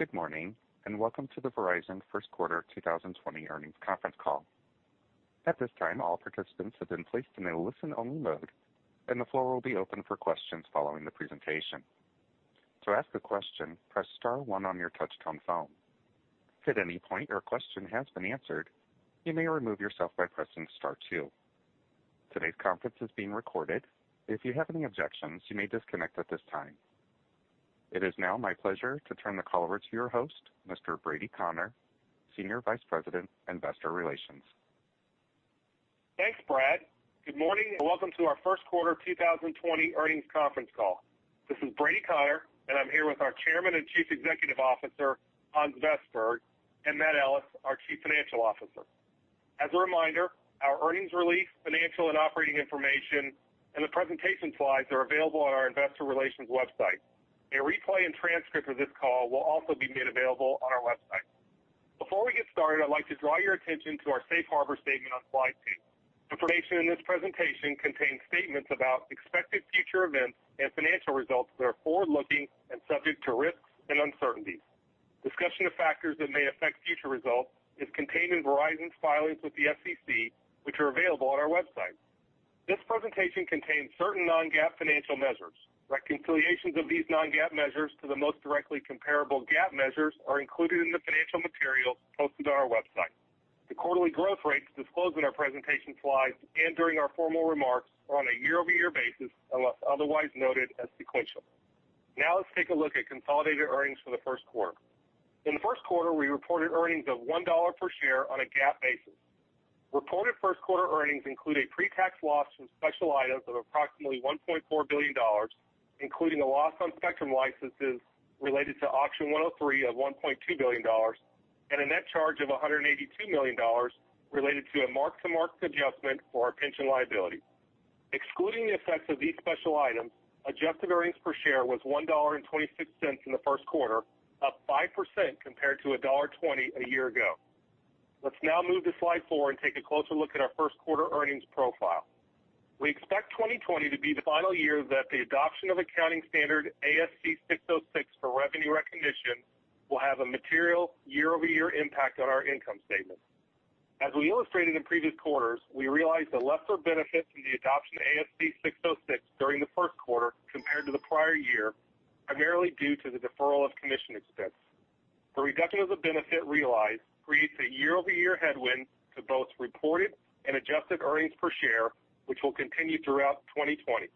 Good morning. Welcome to the Verizon first quarter 2020 earnings conference call. At this time, all participants have been placed in a listen-only mode, and the floor will be open for questions following the presentation. To ask a question, press star one on your touchtone phone. If at any point your question has been answered, you may remove yourself by pressing star two. Today's conference is being recorded. If you have any objections, you may disconnect at this time. It is now my pleasure to turn the call over to your host, Mr. Brady Connor, Senior Vice President, Investor Relations Thanks, Brad. Good morning, and welcome to our first quarter 2020 earnings conference call. This is Brady Connor, and I'm here with our Chairman and Chief Executive Officer, Hans Vestberg, and Matt Ellis, our Chief Financial Officer. As a reminder, our earnings release, financial and operating information, and the presentation slides are available on our investor relations website. A replay and transcript of this call will also be made available on our website. Before we get started, I'd like to draw your attention to our safe harbor statement on slide two. Information in this presentation contains statements about expected future events and financial results that are forward-looking and subject to risks and uncertainties. Discussion of factors that may affect future results is contained in Verizon's filings with the SEC, which are available on our website. This presentation contains certain non-GAAP financial measures. Reconciliations of these non-GAAP measures to the most directly comparable GAAP measures are included in the financial materials posted on our website. The quarterly growth rates disclosed in our presentation slides and during our formal remarks are on a year-over-year basis, unless otherwise noted as sequential. Now let's take a look at consolidated earnings for the first quarter. In the first quarter, we reported earnings of $1 per share on a GAAP basis. Reported first quarter earnings include a pre-tax loss from special items of approximately $1.4 billion, including a loss on spectrum licenses related to Auction 103 of $1.2 billion and a net charge of $182 million related to a mark-to-market adjustment for our pension liability. Excluding the effects of these special items, adjusted earnings per share was $1.26 in the first quarter, up 5% compared to $1.20 a year ago. Let's now move to slide four and take a closer look at our first quarter earnings profile. We expect 2020 to be the final year that the adoption of accounting standard ASC 606 for revenue recognition will have a material year-over-year impact on our income statement. As we illustrated in previous quarters, we realized a lesser benefit from the adoption of ASC 606 during the first quarter compared to the prior year, primarily due to the deferral of commission expense. The reduction of the benefit realized creates a year-over-year headwind to both reported and adjusted earnings per share, which will continue throughout 2020.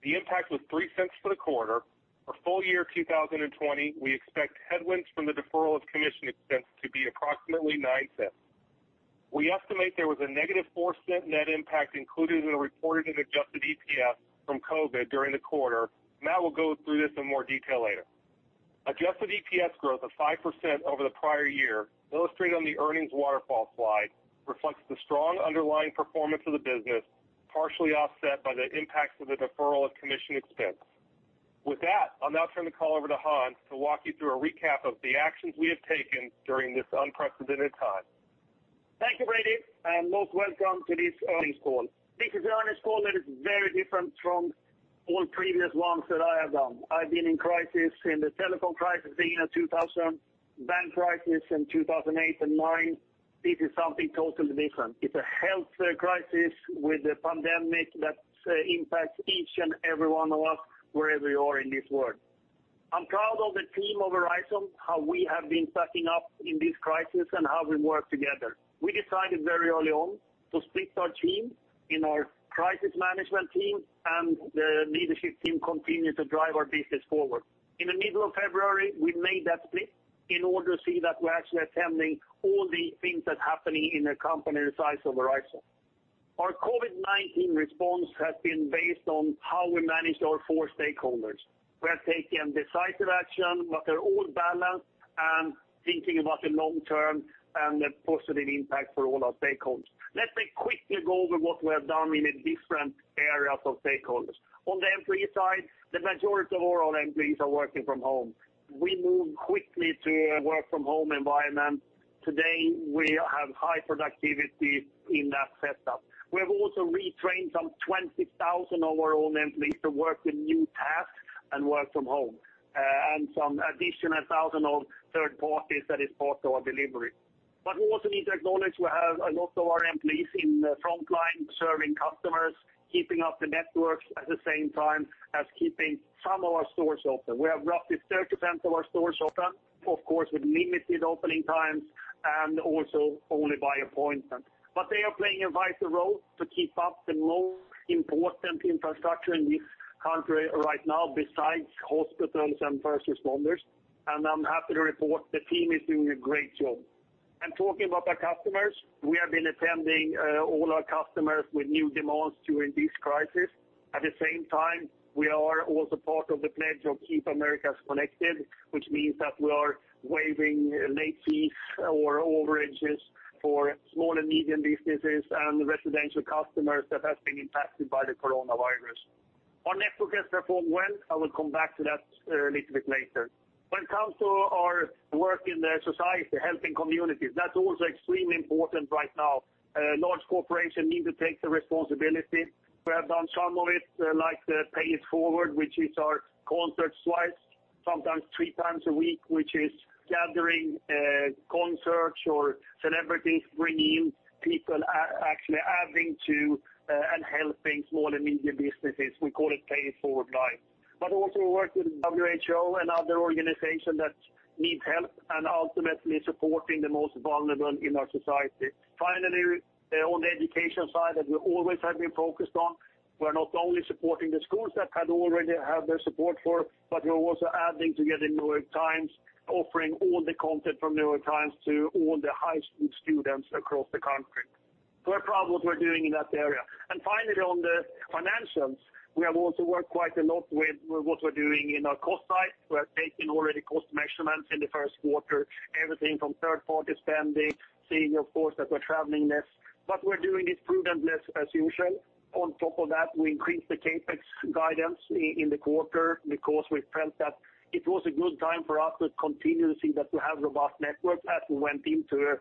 The impact was $0.03 for the quarter. For full year 2020, we expect headwinds from the deferral of commission expense to be approximately $0.09. We estimate there was a -$0.04 net impact included in the reported and adjusted EPS from COVID during the quarter. Matt will go through this in more detail later. Adjusted EPS growth of 5% over the prior year, illustrated on the earnings waterfall slide, reflects the strong underlying performance of the business, partially offset by the impacts of the deferral of commission expense. With that, I'll now turn the call over to Hans to walk you through a recap of the actions we have taken during this unprecedented time. Thank you, Brady. Most welcome to this earnings call. This is an earnings call that is very different from all previous ones that I have done. I've been in crisis in the telephone crisis in 2000, bank crisis in 2008 and 2009. This is something totally different. It's a health crisis with a pandemic that impacts each and every one of us wherever you are in this world. I'm proud of the team of Verizon, how we have been stepping up in this crisis and how we work together. We decided very early on to split our team in our crisis management team and the leadership team continue to drive our business forward. In the middle of February, we made that split in order to see that we're actually attending all the things that happening in a company the size of Verizon. Our COVID-19 response has been based on how we manage our four stakeholders. We are taking decisive action, they're all balanced and thinking about the long term and the positive impact for all our stakeholders. Let me quickly go over what we have done in the different areas of stakeholders. On the employee side, the majority of all our employees are working from home. We moved quickly to a work from home environment. Today, we have high productivity in that setup. We have also retrained some 20,000 of our own employees to work with new tasks and work from home, and some additional 1,000 of third parties that is part of our delivery. We also need to acknowledge we have a lot of our employees in the frontline serving customers, keeping up the networks at the same time as keeping some of our stores open. We have roughly 30% of our stores open, of course, with limited opening times and also only by appointment. They are playing a vital role to keep up the most important infrastructure in this country right now besides hospitals and first responders, and I'm happy to report the team is doing a great job. Talking about our customers, we have been attending all our customers with new demands during this crisis. At the same time, we are also part of the pledge of Keep Americans Connected, which means that we are waiving late fees or overages for small and medium businesses and residential customers that have been impacted by the coronavirus. Our network has performed well. I will come back to that a little bit later. When it comes to our work in the society, helping communities, that's also extremely important right now. Large corporations need to take the responsibility. We have done some of it, like the Pay It Forward, which is our concert twice, sometimes three times a week, which is gathering concerts or celebrities, bringing people, actually adding to and helping small and medium businesses. We call it Pay It Forward Live. Also work with WHO and other organizations that need help, and ultimately supporting the most vulnerable in our society. Finally, on the education side, as we always have been focused on, we're not only supporting the schools that had already had their support for, but we're also adding to get The New York Times, offering all the content from The New York Times to all the high school students across the country. We're proud of what we're doing in that area. Finally, on the financials, we have also worked quite a lot with what we're doing in our cost side. We are taking already cost measurements in the first quarter, everything from third-party spending, seeing of course that we're traveling less. We're doing it prudently as usual. On top of that, we increased the CapEx guidance in the quarter because we felt that it was a good time for us to continue to see that we have robust network as we went into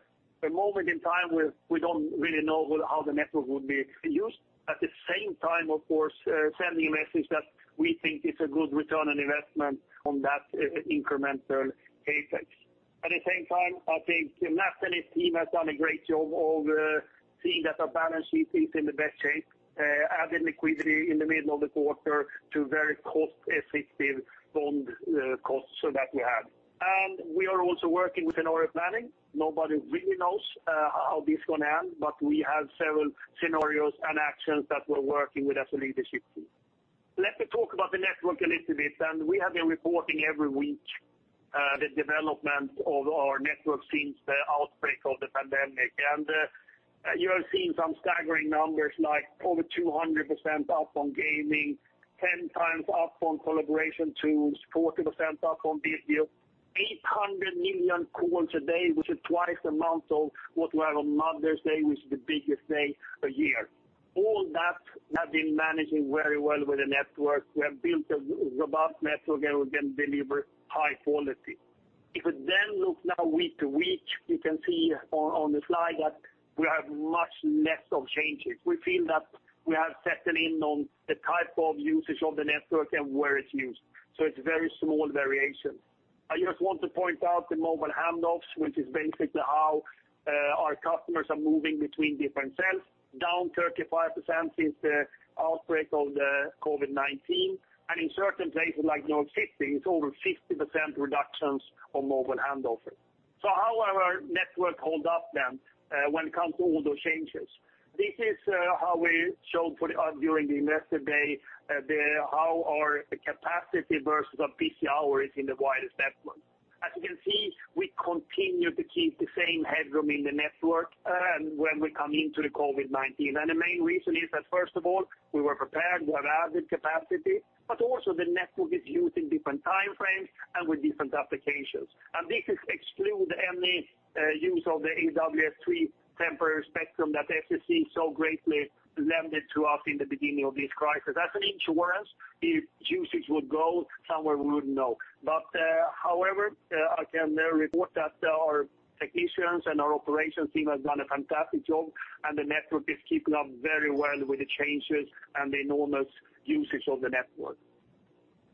a moment in time where we don't really know how the network would be used. At the same time, of course, sending a message that we think it's a good return on investment on that incremental CapEx. At the same time, I think Matt and his team has done a great job of seeing that our balance sheet is in the best shape, adding liquidity in the middle of the quarter to very cost-effective bond costs so that we have. We are also working with scenario planning. Nobody really knows how this is going to end, but we have several scenarios and actions that we're working with as a leadership team. Let me talk about the network a little bit. We have been reporting every week, the development of our network since the outbreak of the pandemic. You have seen some staggering numbers, like over 200% up on gaming, 10 times up on collaboration tools, 40% up on video, 800 million calls a day, which is twice the amount of what we have on Mother's Day, which is the biggest day a year. All that has been managing very well with the network. We have built a robust network, and we can deliver high quality. If we look now week to week, we can see on the slide that we have much less of changes. We feel that we have settled in on the type of usage of the network and where it's used. It's very small variations. I just want to point out the mobile handoffs, which is basically how our customers are moving between different cells, down 35% since the outbreak of the COVID-19. In certain places like New York City, it's over 50% reductions on mobile handoff. How our network hold up then when it comes to all those changes? This is how we showed during the Investor Day, how our capacity versus our busy hour is in the widest network. As you can see, we continue to keep the same headroom in the network, and when we come into the COVID-19. The main reason is that, first of all, we were prepared, we have added capacity, but also the network is used in different time frames and with different applications. This excludes any use of the AWS-3 temporary spectrum that FCC so greatly lended to us in the beginning of this crisis. That's an insurance. If usage would go somewhere, we wouldn't know. However, I can report that our technicians and our operations team has done a fantastic job, and the network is keeping up very well with the changes and the enormous usage of the network.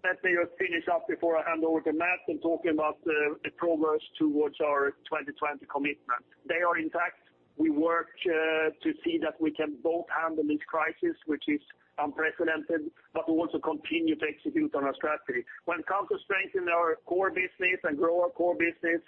Let me just finish up before I hand over to Matt and talk about the progress towards our 2020 commitment. They are intact. We work to see that we can both handle this crisis, which is unprecedented, but we also continue to execute on our strategy. When it comes to strengthening our core business and grow our core business,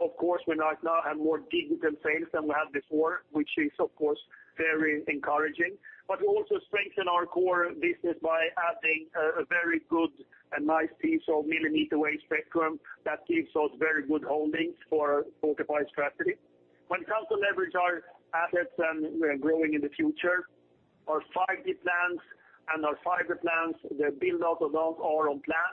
of course, we now have more digital sales than we had before, which is, of course, very encouraging. We also strengthen our core business by adding a very good and nice piece of millimeter-wave spectrum that gives us very good holdings for our fortified strategy. When it comes to leverage our assets and growing in the future, our 5G plans and our fiber plans, the build-out of those are on plan.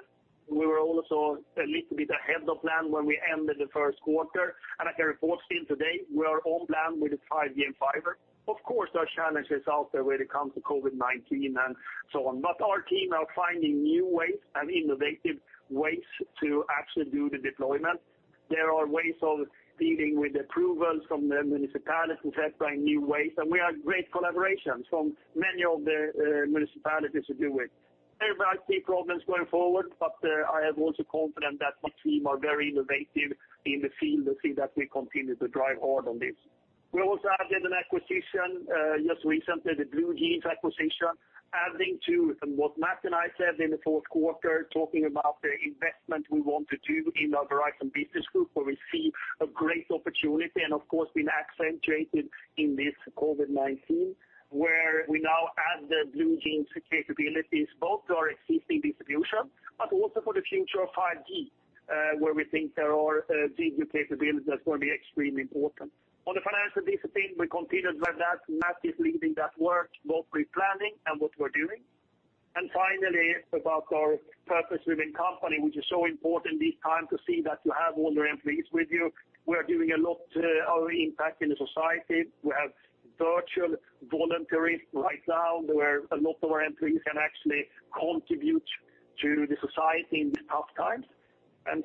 We were also a little bit ahead of plan when we ended the first quarter. I can report still today, we are on plan with the 5G and fiber. There are challenges out there when it comes to COVID-19 and so on, our team are finding new ways and innovative ways to actually do the deployment. There are ways of dealing with approvals from the municipalities, et cetera, in new ways, we have great collaborations from many of the municipalities to do it. There are key problems going forward, I am also confident that my team are very innovative in the field to see that we continue to drive hard on this. We also added an acquisition just recently, the BlueJeans acquisition, adding to what Matt and I said in the fourth quarter, talking about the investment we want to do in our Verizon Business Group, where we see a great opportunity and, of course, been accentuated in this COVID-19, where we now add the BlueJeans capabilities both to our existing distribution, but also for the future of 5G, where we think there are these new capabilities that's going to be extremely important. On the financial discipline, we continued with that. Matt is leading that work, both pre-planning and what we're doing. Finally, about our purpose within company, which is so important this time to see that you have all the employees with you. We are doing a lot our impact in the society. We have virtual voluntaries right now, where a lot of our employees can actually contribute to the society in these tough times.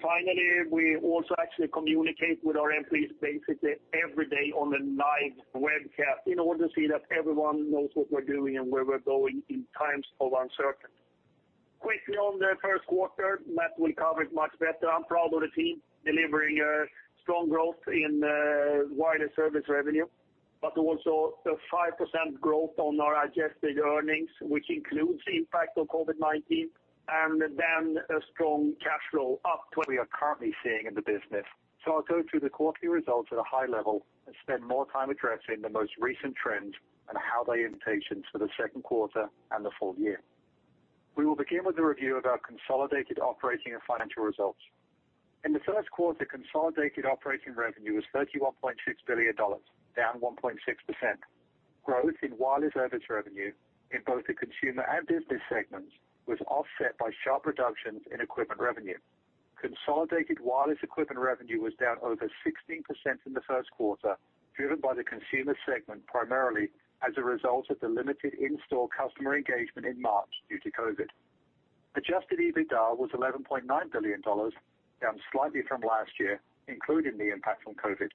Finally, we also actually communicate with our employees basically every day on a live webcast in order to see that everyone knows what we're doing and where we're going in times of uncertainty. Quickly on the first quarter, Matt will cover it much better. I'm proud of the team delivering a strong growth in wireless service revenue, also a 5% growth on our adjusted earnings, which includes the impact of COVID-19, then a strong cash flow. We are currently seeing in the business. I'll go through the quarterly results at a high level and spend more time addressing the most recent trends and how they impact for the second quarter and the full year. We will begin with a review of our consolidated operating and financial results. In the first quarter, consolidated operating revenue was $31.6 billion, down 1.6%. Growth in wireless service revenue in both the consumer and business segments was offset by sharp reductions in equipment revenue. Consolidated wireless equipment revenue was down over 16% in the first quarter, driven by the consumer segment, primarily as a result of the limited in-store customer engagement in March due to COVID. Adjusted EBITDA was $11.9 billion, down slightly from last year, including the impact from COVID.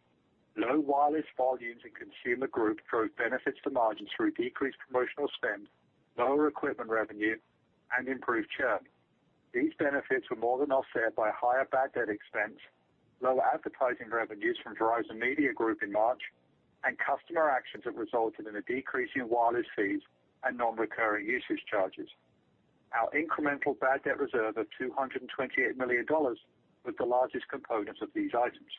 Low wireless volumes in consumer group drove benefits to margins through decreased promotional spend, lower equipment revenue, and improved churn. These benefits were more than offset by higher bad debt expense, lower advertising revenues from Verizon Media Group in March, and customer actions that resulted in a decrease in wireless fees and non-recurring usage charges. Our incremental bad debt reserve of $228 million was the largest component of these items.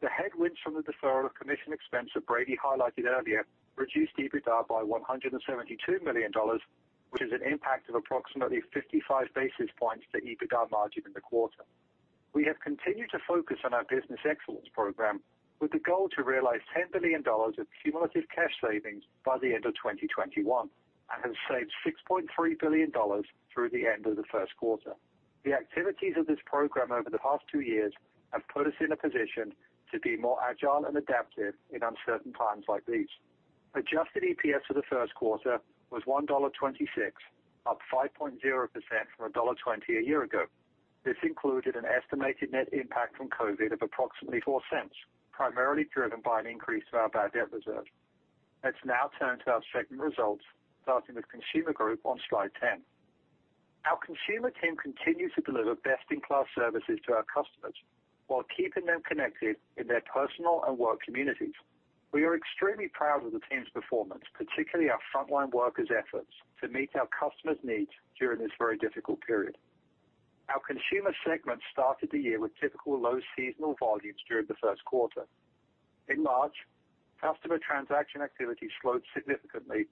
The headwinds from the deferral of commission expense that Brady highlighted earlier reduced EBITDA by $172 million, which is an impact of approximately 55 basis points to EBITDA margin in the quarter. We have continued to focus on our Business Excellence Program with the goal to realize $10 billion of cumulative cash savings by the end of 2021 and have saved $6.3 billion through the end of the first quarter. The activities of this program over the past two years have put us in a position to be more agile and adaptive in uncertain times like these. Adjusted EPS for the first quarter was $1.26, up 5.0% from $1.20 a year ago. This included an estimated net impact from COVID of approximately $0.04, primarily driven by an increase to our bad debt reserve. Let's now turn to our segment results, starting with Consumer Group on slide 10. Our consumer team continues to deliver best-in-class services to our customers while keeping them connected in their personal and work communities. We are extremely proud of the team's performance, particularly our frontline workers' efforts to meet our customers' needs during this very difficult period. Our consumer segment started the year with typical low seasonal volumes during the first quarter. In March, customer transaction activity slowed significantly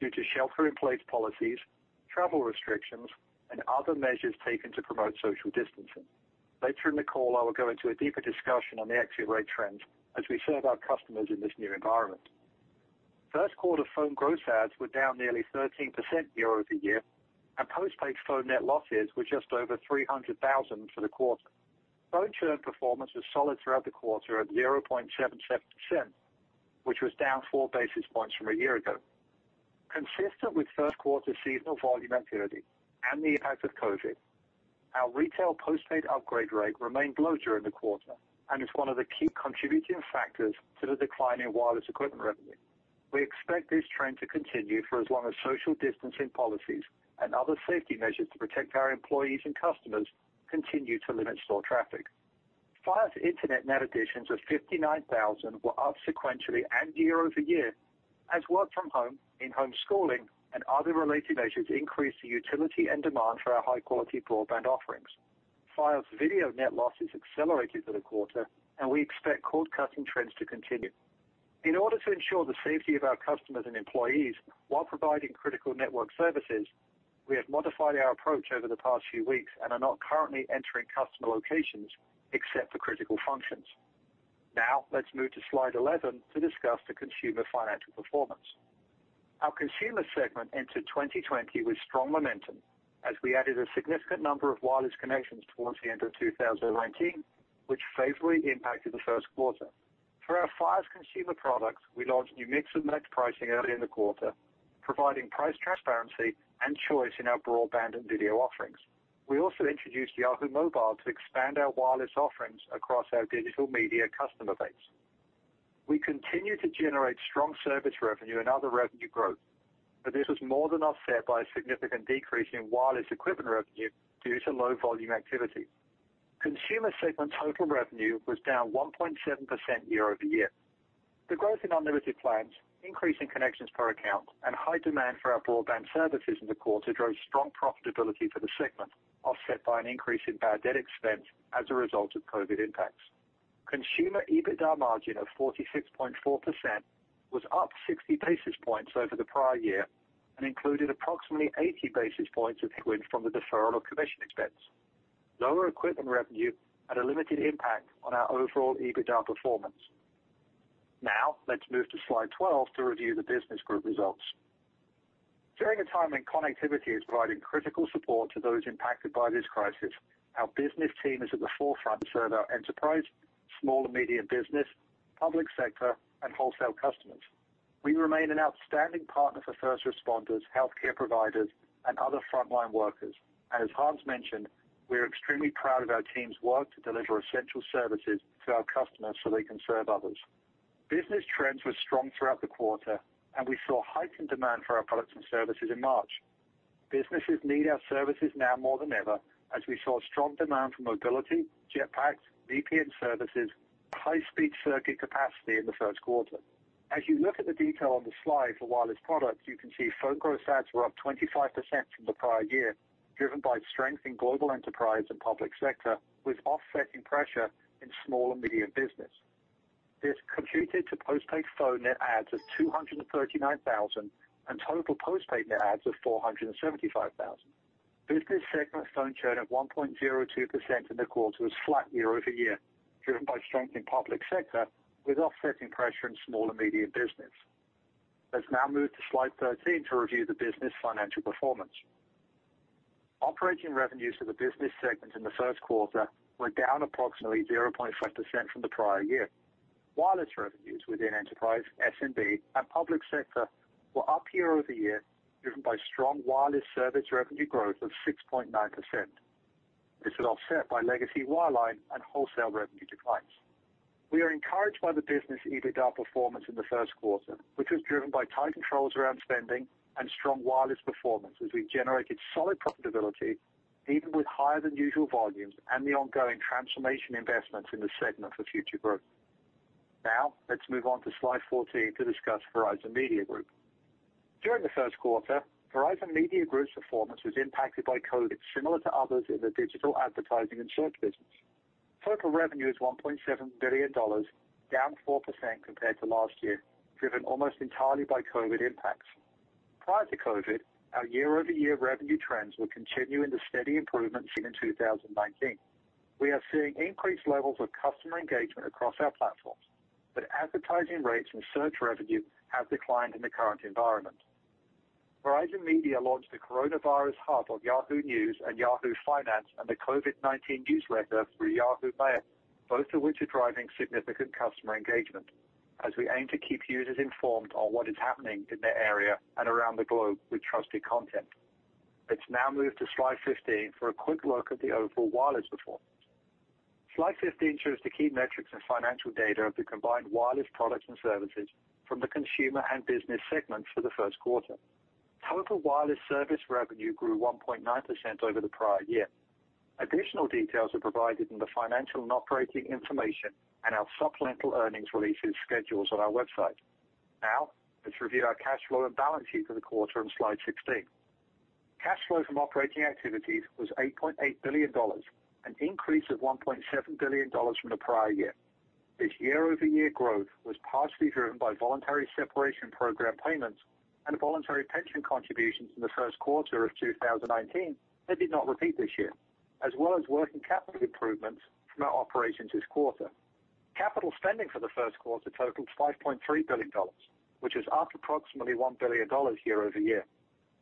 due to shelter-in-place policies, travel restrictions, and other measures taken to promote social distancing. Later in the call, I will go into a deeper discussion on the exit rate trends as we serve our customers in this new environment. First quarter phone gross adds were down nearly 13% year-over-year, and postpaid phone net losses were just over 300,000 for the quarter. Phone churn performance was solid throughout the quarter at 0.77%, which was down four basis points from a year ago. Consistent with first quarter seasonal volume activity and the impact of COVID, our retail postpaid upgrade rate remained low during the quarter and is one of the key contributing factors to the decline in wireless equipment revenue. Fios internet net additions of 59,000 were up sequentially and year-over-year as work from home, in-home schooling, and other related measures increased the utility and demand for our high-quality broadband offerings. Fios video net losses accelerated for the quarter, and we expect cord-cutting trends to continue. In order to ensure the safety of our customers and employees while providing critical network services, we have modified our approach over the past few weeks and are not currently entering customer locations except for critical functions. Let's move to slide 11 to discuss the consumer financial performance. Our consumer segment entered 2020 with strong momentum as we added a significant number of wireless connections towards the end of 2019, which favorably impacted the first quarter. For our Fios consumer products, we launched new Mix & Match pricing early in the quarter, providing price transparency and choice in our broadband and video offerings. We also introduced Yahoo Mobile to expand our wireless offerings across our digital media customer base. We continue to generate strong service revenue and other revenue growth, this was more than offset by a significant decrease in wireless equipment revenue due to low volume activity. Consumer segment total revenue was down 1.7% year-over-year. The growth in unlimited plans, increase in connections per account, and high demand for our broadband services in the quarter drove strong profitability for the segment, offset by an increase in bad debt expense as a result of COVID impacts. Consumer EBITDA margin of 46.4% was up 60 basis points over the prior year and included approximately 80 basis points of headwinds from the deferral of commission expense. Lower equipment revenue had a limited impact on our overall EBITDA performance. Now, let's move to slide 12 to review the business group results. During a time when connectivity is providing critical support to those impacted by this crisis, our business team is at the forefront to serve our enterprise, small to medium business, public sector, and wholesale customers. We remain an outstanding partner for first responders, healthcare providers, and other frontline workers. As Hans mentioned, we are extremely proud of our team's work to deliver essential services to our customers so they can serve others. Business trends were strong throughout the quarter, and we saw heightened demand for our products and services in March. Businesses need our services now more than ever, as we saw strong demand for mobility, Jetpacks, VPN services, high-speed circuit capacity in the first quarter. As you look at the detail on the slide for wireless products, you can see phone gross adds were up 25% from the prior year, driven by strength in global enterprise and public sector, with offsetting pressure in small and medium business. This computed to postpaid phone net adds of 239,000, and total postpaid net adds of 475,000. Business segment phone churn of 1.02% in the quarter was flat year-over-year, driven by strength in public sector, with offsetting pressure in small and medium business. Let's now move to slide 13 to review the business financial performance. Operating revenues for the business segment in the first quarter were down approximately 0.5% from the prior year. Wireless revenues within enterprise, SMB, and public sector were up year-over-year, driven by strong wireless service revenue growth of 6.9%. This was offset by legacy wireline and wholesale revenue declines. We are encouraged by the business EBITDA performance in the first quarter, which was driven by tight controls around spending and strong wireless performance, as we generated solid profitability even with higher than usual volumes and the ongoing transformation investments in the segment for future growth. Now, let's move on to slide 14 to discuss Verizon Media Group. During the first quarter, Verizon Media Group's performance was impacted by COVID, similar to others in the digital advertising and search business. Total revenue is $1.7 billion, down 4% compared to last year, driven almost entirely by COVID impacts. Prior to COVID, our year-over-year revenue trends were continuing the steady improvement seen in 2019. We are seeing increased levels of customer engagement across our platforms, but advertising rates and search revenue have declined in the current environment. Verizon Media launched a coronavirus hub on Yahoo News and Yahoo Finance and the COVID-19 news ticker through Yahoo Mail, both of which are driving significant customer engagement as we aim to keep users informed on what is happening in their area and around the globe with trusted content. Let's now move to slide 15 for a quick look at the overall wireless performance. Slide 15 shows the key metrics and financial data of the combined wireless products and services from the consumer and business segments for the first quarter. Total wireless service revenue grew 1.9% over the prior year. Additional details are provided in the financial and operating information and our supplemental earnings releases schedules on our website. Let's review our cash flow and balance sheet for the quarter on slide 16. Cash flow from operating activities was $8.8 billion, an increase of $1.7 billion from the prior year. This year-over-year growth was partially driven by voluntary separation program payments and voluntary pension contributions in the first quarter of 2019 that did not repeat this year, as well as working capital improvements from our operations this quarter. Capital spending for the first quarter totaled $5.3 billion, which is up approximately $1 billion year-over-year.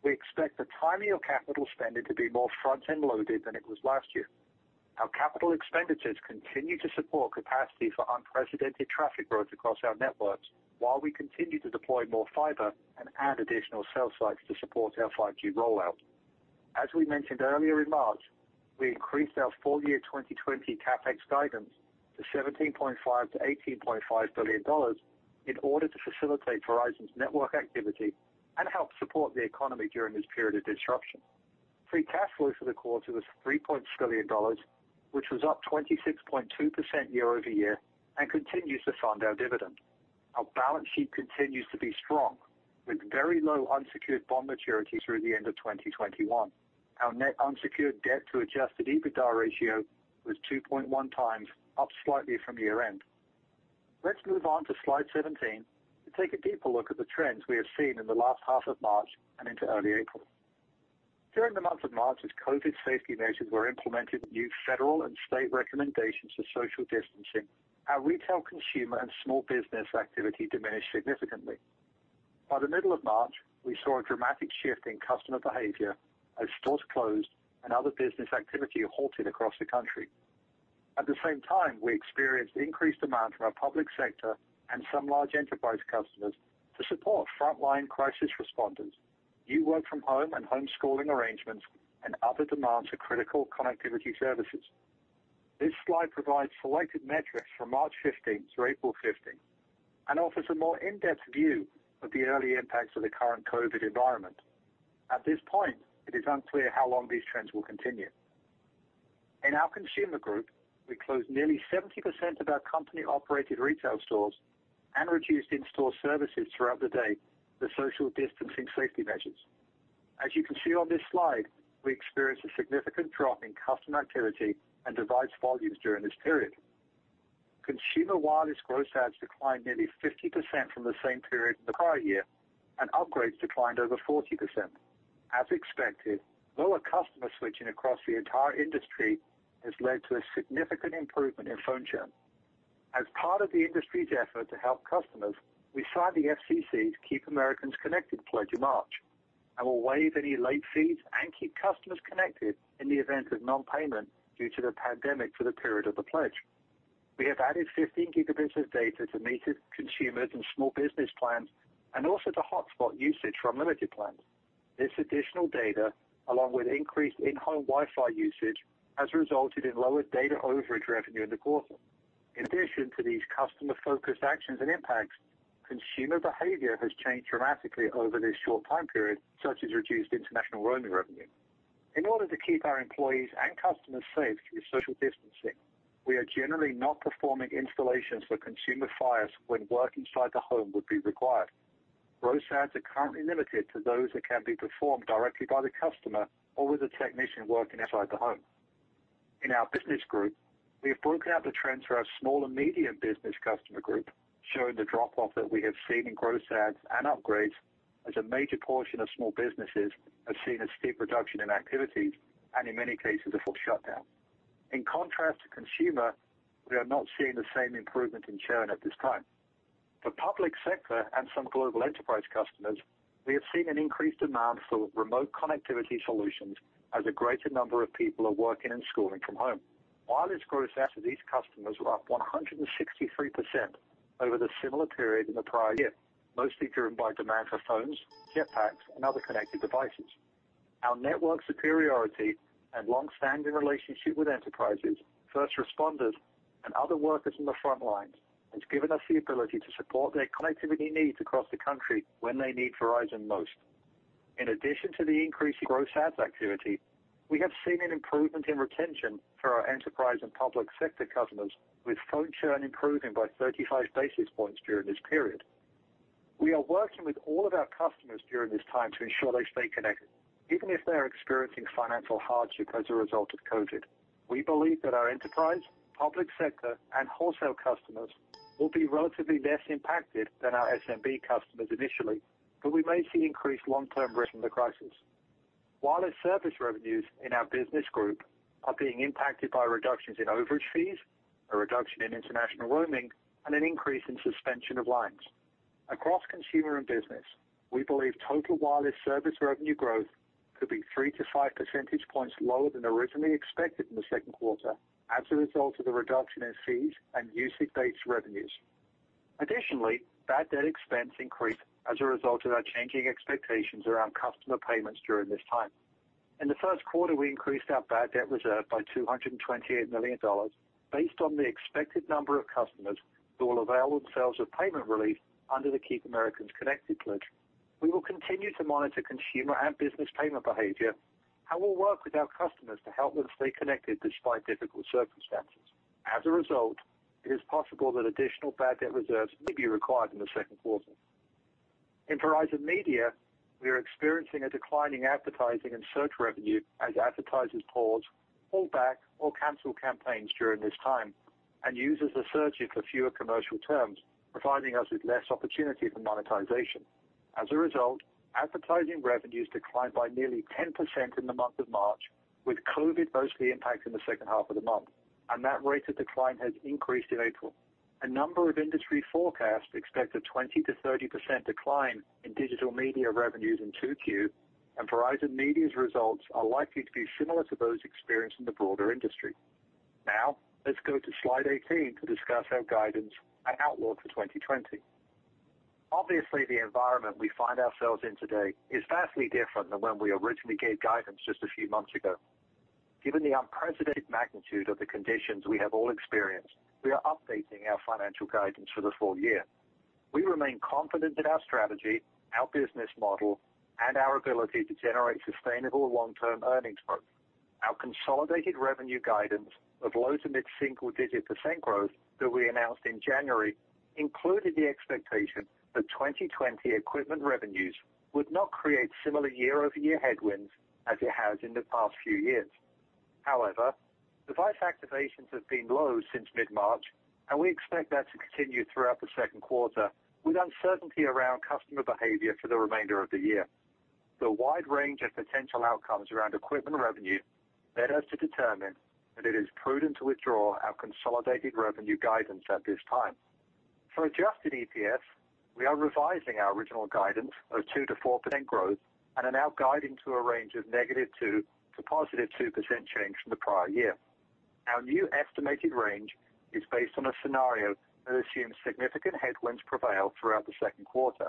We expect the timing of capital spending to be more front-end loaded than it was last year. Our capital expenditures continue to support capacity for unprecedented traffic growth across our networks, while we continue to deploy more fiber and add additional cell sites to support our 5G rollout. As we mentioned earlier in March, we increased our full-year 2020 CapEx guidance to $17.5 billion-$18.5 billion in order to facilitate Verizon's network activity and help support the economy during this period of disruption. Free cash flow for the quarter was $3.2 billion, which was up 26.2% year-over-year and continues to fund our dividend. Our balance sheet continues to be strong, with very low unsecured bond maturity through the end of 2021. Our net unsecured debt to adjusted EBITDA ratio was 2.1 times, up slightly from year end. Let's move on to slide 17 to take a deeper look at the trends we have seen in the last half of March and into early April. During the month of March, as COVID safety measures were implemented with new federal and state recommendations for social distancing, our retail consumer and small business activity diminished significantly. By the middle of March, we saw a dramatic shift in customer behavior as stores closed and other business activity halted across the country. At the same time, we experienced increased demand from our public sector and some large enterprise customers to support frontline crisis responders, new work from home and homeschooling arrangements, and other demands for critical connectivity services. This slide provides selected metrics from March 15th through April 15th and offers a more in-depth view of the early impacts of the current COVID environment. At this point, it is unclear how long these trends will continue. In our Consumer Group, we closed nearly 70% of our company-operated retail stores and reduced in-store services throughout the day for social distancing safety measures. As you can see on this slide, we experienced a significant drop in customer activity and device volumes during this period. Consumer wireless gross adds declined nearly 50% from the same period the prior year, and upgrades declined over 40%. As expected, lower customer switching across the entire industry has led to a significant improvement in phone churn. As part of the industry's effort to help customers, we signed the FCC's Keep Americans Connected pledge in March, and will waive any late fees and keep customers connected in the event of non-payment due to the pandemic for the period of the pledge. We have added 15 gigabits of data to metered consumers and small business plans, and also to hotspot usage from limited plans. This additional data, along with increased in-home Wi-Fi usage, has resulted in lower data overage revenue in the quarter. In addition to these customer-focused actions and impacts, consumer behavior has changed dramatically over this short time period, such as reduced international roaming revenue. In order to keep our employees and customers safe through social distancing, we are generally not performing installations for consumer Fios when work inside the home would be required. Gross adds are currently limited to those that can be performed directly by the customer or with a technician working inside the home. In our Verizon Business Group, we have broken out the trends for our small and medium business customer group, showing the drop-off that we have seen in gross adds and upgrades as a major portion of small businesses have seen a steep reduction in activities and in many cases, a full shutdown. In contrast to consumer, we are not seeing the same improvement in churn at this time. For public sector and some global enterprise customers, we have seen an increased demand for remote connectivity solutions as a greater number of people are working and schooling from home. Wireless gross adds to these customers were up 163% over the similar period in the prior year, mostly driven by demand for phones, Jetpacks, and other connected devices. Our network superiority and longstanding relationship with enterprises, first responders, and other workers on the front lines has given us the ability to support their connectivity needs across the country when they need Verizon most. In addition to the increase in gross adds activity, we have seen an improvement in retention for our enterprise and public sector customers, with phone churn improving by 35 basis points during this period. We are working with all of our customers during this time to ensure they stay connected, even if they are experiencing financial hardship as a result of COVID. We believe that our enterprise, public sector, and wholesale customers will be relatively less impacted than our SMB customers initially, but we may see increased long-term risk from the crisis. Wireless service revenues in our business group are being impacted by reductions in overage fees, a reduction in international roaming, and an increase in suspension of lines. Across consumer and business, we believe total wireless service revenue growth could be three to five percentage points lower than originally expected in the second quarter as a result of the reduction in fees and usage-based revenues. Additionally, bad debt expense increased as a result of our changing expectations around customer payments during this time. In the first quarter, we increased our bad debt reserve by $228 million based on the expected number of customers who will avail themselves of payment relief under the Keep Americans Connected pledge. We will continue to monitor consumer and business payment behavior, will work with our customers to help them stay connected despite difficult circumstances. As a result, it is possible that additional bad debt reserves may be required in the second quarter. In Verizon Media, we are experiencing a decline in advertising and search revenue as advertisers pause, pull back, or cancel campaigns during this time, users are searching for fewer commercial terms, providing us with less opportunity for monetization. As a result, advertising revenues declined by nearly 10% in the month of March, with COVID mostly impacting the second half of the month, that rate of decline has increased in April. A number of industry forecasts expect a 20%-30% decline in digital media revenues in 2Q, Verizon Media's results are likely to be similar to those experienced in the broader industry. Let's go to slide 18 to discuss our guidance and outlook for 2020. Obviously, the environment we find ourselves in today is vastly different than when we originally gave guidance just a few months ago. Given the unprecedented magnitude of the conditions we have all experienced, we are updating our financial guidance for the full year. We remain confident in our strategy, our business model, and our ability to generate sustainable long-term earnings growth. Our consolidated revenue guidance of low to mid-single digit percent growth that we announced in January included the expectation that 2020 equipment revenues would not create similar year-over-year headwinds as it has in the past few years. Device activations have been low since mid-March, and we expect that to continue throughout the second quarter, with uncertainty around customer behavior for the remainder of the year. The wide range of potential outcomes around equipment revenue led us to determine that it is prudent to withdraw our consolidated revenue guidance at this time. For adjusted EPS, we are revising our original guidance of 2%-4% growth and are now guiding to a range of -2% to +2% change from the prior year. Our new estimated range is based on a scenario that assumes significant headwinds prevail throughout the second quarter.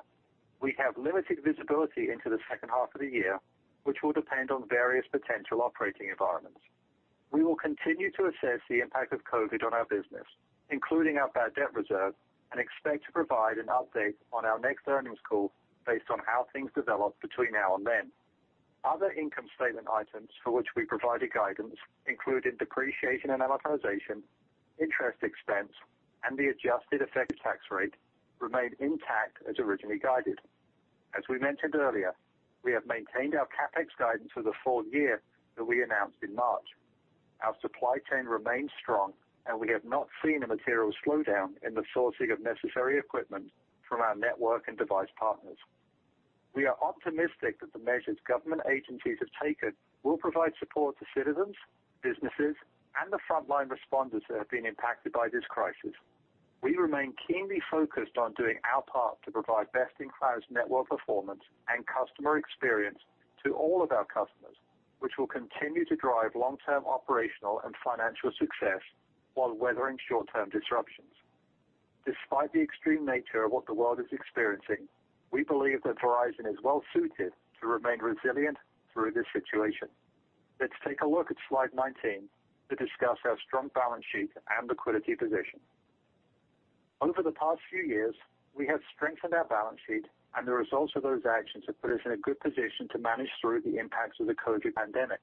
We have limited visibility into the second half of the year, which will depend on various potential operating environments. We will continue to assess the impact of COVID on our business, including our bad debt reserve, and expect to provide an update on our next earnings call based on how things develop between now and then. Other income statement items for which we provided guidance included depreciation and amortization, interest expense, and the adjusted effective tax rate remain intact as originally guided. As we mentioned earlier, we have maintained our CapEx guidance for the full year that we announced in March. Our supply chain remains strong, and we have not seen a material slowdown in the sourcing of necessary equipment from our network and device partners. We are optimistic that the measures government agencies have taken will provide support to citizens, businesses, and the frontline responders that have been impacted by this crisis. We remain keenly focused on doing our part to provide best-in-class network performance and customer experience to all of our customers, which will continue to drive long-term operational and financial success while weathering short-term disruptions. Despite the extreme nature of what the world is experiencing, we believe that Verizon is well-suited to remain resilient through this situation. Let's take a look at slide 19 to discuss our strong balance sheet and liquidity position. Over the past few years, we have strengthened our balance sheet, and the results of those actions have put us in a good position to manage through the impacts of the COVID pandemic.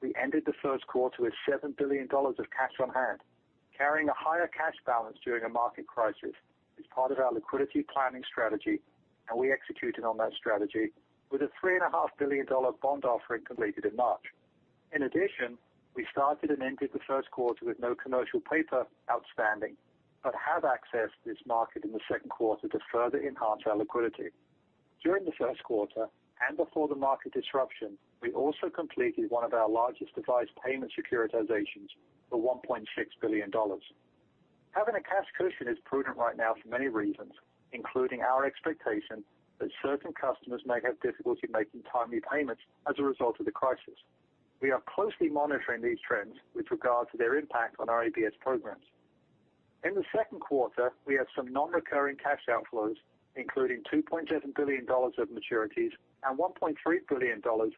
We ended the first quarter with $7 billion of cash on hand. Carrying a higher cash balance during a market crisis is part of our liquidity planning strategy, and we executed on that strategy with a $3.5 billion bond offering completed in March. In addition, we started and ended the first quarter with no commercial paper outstanding, but have accessed this market in the second quarter to further enhance our liquidity. During the first quarter and before the market disruption, we also completed one of our largest device payment securitizations for $1.6 billion. Having a cash cushion is prudent right now for many reasons, including our expectation that certain customers may have difficulty making timely payments as a result of the crisis. We are closely monitoring these trends with regard to their impact on our ABS programs. In the second quarter, we had some non-recurring cash outflows, including $2.7 billion of maturities and $1.3 billion for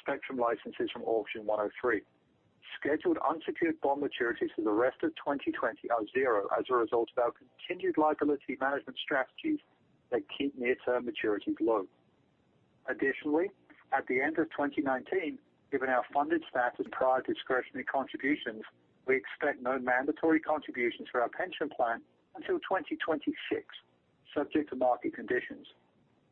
spectrum licenses from Auction 103. Scheduled unsecured bond maturities for the rest of 2020 are zero as a result of our continued liability management strategies that keep near-term maturities low. Additionally, at the end of 2019, given our funded status and prior discretionary contributions, we expect no mandatory contributions for our pension plan until 2026, subject to market conditions.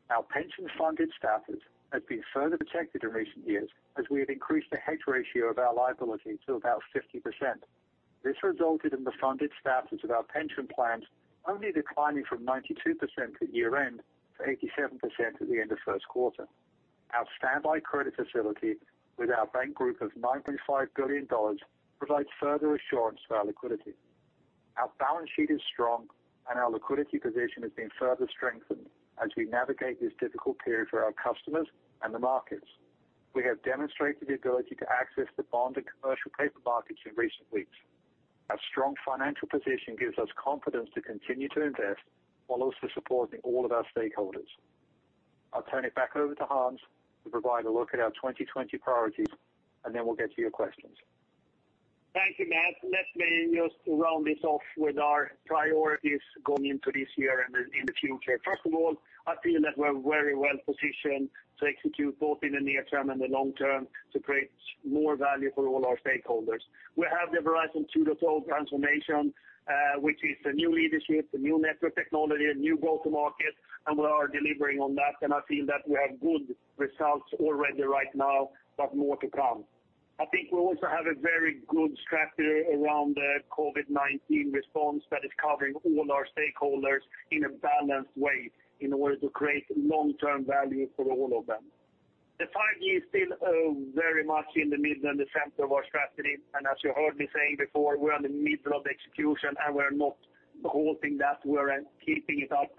Our pension-funded status has been further protected in recent years as we have increased the hedge ratio of our liability to about 50%. This resulted in the funded status of our pension plans only declining from 92% at year-end to 87% at the end of first quarter. Our standby credit facility with our bank group of $9.5 billion provides further assurance to our liquidity. Our balance sheet is strong, and our liquidity position has been further strengthened as we navigate this difficult period for our customers and the markets. We have demonstrated the ability to access the bond and commercial paper markets in recent weeks. Our strong financial position gives us confidence to continue to invest while also supporting all of our stakeholders. I'll turn it back over to Hans to provide a look at our 2020 priorities, and then we'll get to your questions. Thank you, Matt. Let me just round this off with our priorities going into this year and in the future. First of all, I feel that we're very well positioned to execute both in the near term and the long term to create more value for all our stakeholders. We have the Verizon 2.0 transformation, which is a new leadership, a new network technology, a new go-to-market, and we are delivering on that, and I feel that we have good results already right now, but more to come. I think we also have a very good strategy around the COVID-19 response that is covering all our stakeholders in a balanced way in order to create long-term value for all of them. The 5G is still very much in the middle and the center of our strategy, and as you heard me saying before, we're in the middle of execution, and we're not halting that. We're keeping it up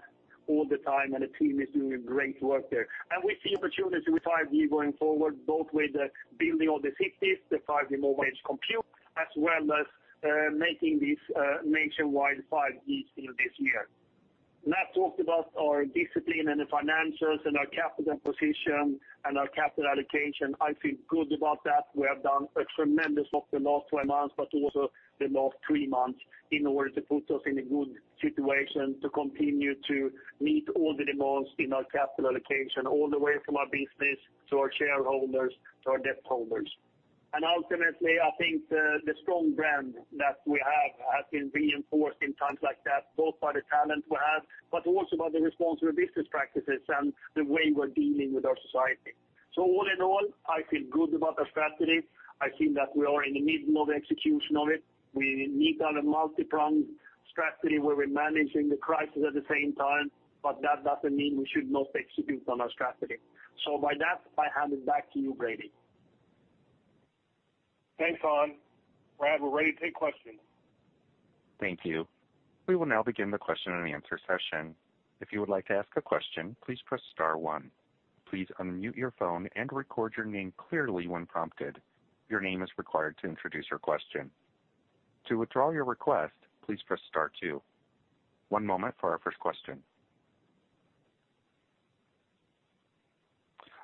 all the time, and the team is doing great work there. We see opportunity with 5G going forward, both with building all the cities, the 5G mobile edge compute, as well as making this a nationwide 5G still this year. Matt talked about our discipline and the financials and our capital position and our capital allocation. I feel good about that. We have done a tremendous job the last 12 months, but also the last three months in order to put us in a good situation to continue to meet all the demands in our capital allocation, all the way from our business to our shareholders to our debt holders. Ultimately, I think the strong brand that we have has been reinforced in times like that, both by the talent we have, but also by the responsible business practices and the way we're dealing with our society. All in all, I feel good about our strategy. I think that we are in the middle of execution of it. We meet on a multi-pronged strategy where we're managing the crisis at the same time, but that doesn't mean we should not execute on our strategy. With that, I hand it back to you, Brady. Thanks, Hans. Brad, we're ready to take questions. Thank you. We will now begin the question and answer session. If you would like to ask a question, please press star one. Please unmute your phone and record your name clearly when prompted. Your name is required to introduce your question. To withdraw your request, please press star two. One moment for our first question.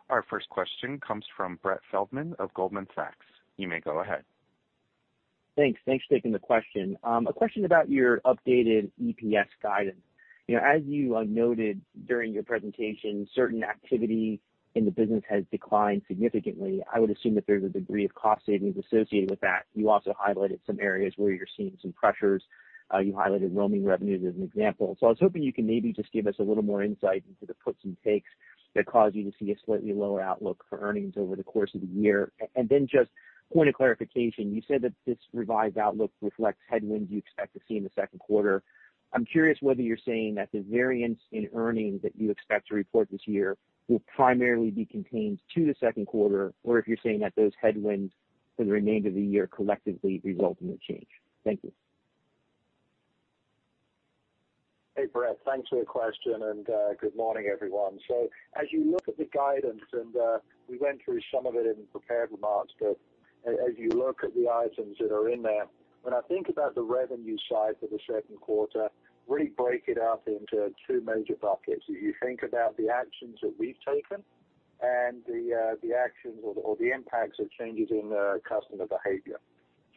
Our first question comes from Brett Feldman of Goldman Sachs. You may go ahead. Thanks. Thanks for taking the question. A question about your updated EPS guidance. As you noted during your presentation, certain activity in the business has declined significantly. I would assume that there's a degree of cost savings associated with that. You also highlighted some areas where you're seeing some pressures. You highlighted roaming revenues as an example. I was hoping you can maybe just give us a little more insight into the puts and takes that cause you to see a slightly lower outlook for earnings over the course of the year. Just point of clarification, you said that this revised outlook reflects headwinds you expect to see in the second quarter. I'm curious whether you're saying that the variance in earnings that you expect to report this year will primarily be contained to the second quarter, or if you're saying that those headwinds for the remainder of the year collectively result in the change? Thank you. Hey, Brett. Thanks for your question and good morning, everyone. As you look at the guidance, and we went through some of it in prepared remarks, but as you look at the items that are in there, when I think about the revenue side for the second quarter, really break it out into two major buckets. You think about the actions that we've taken and the actions or the impacts of changes in customer behavior.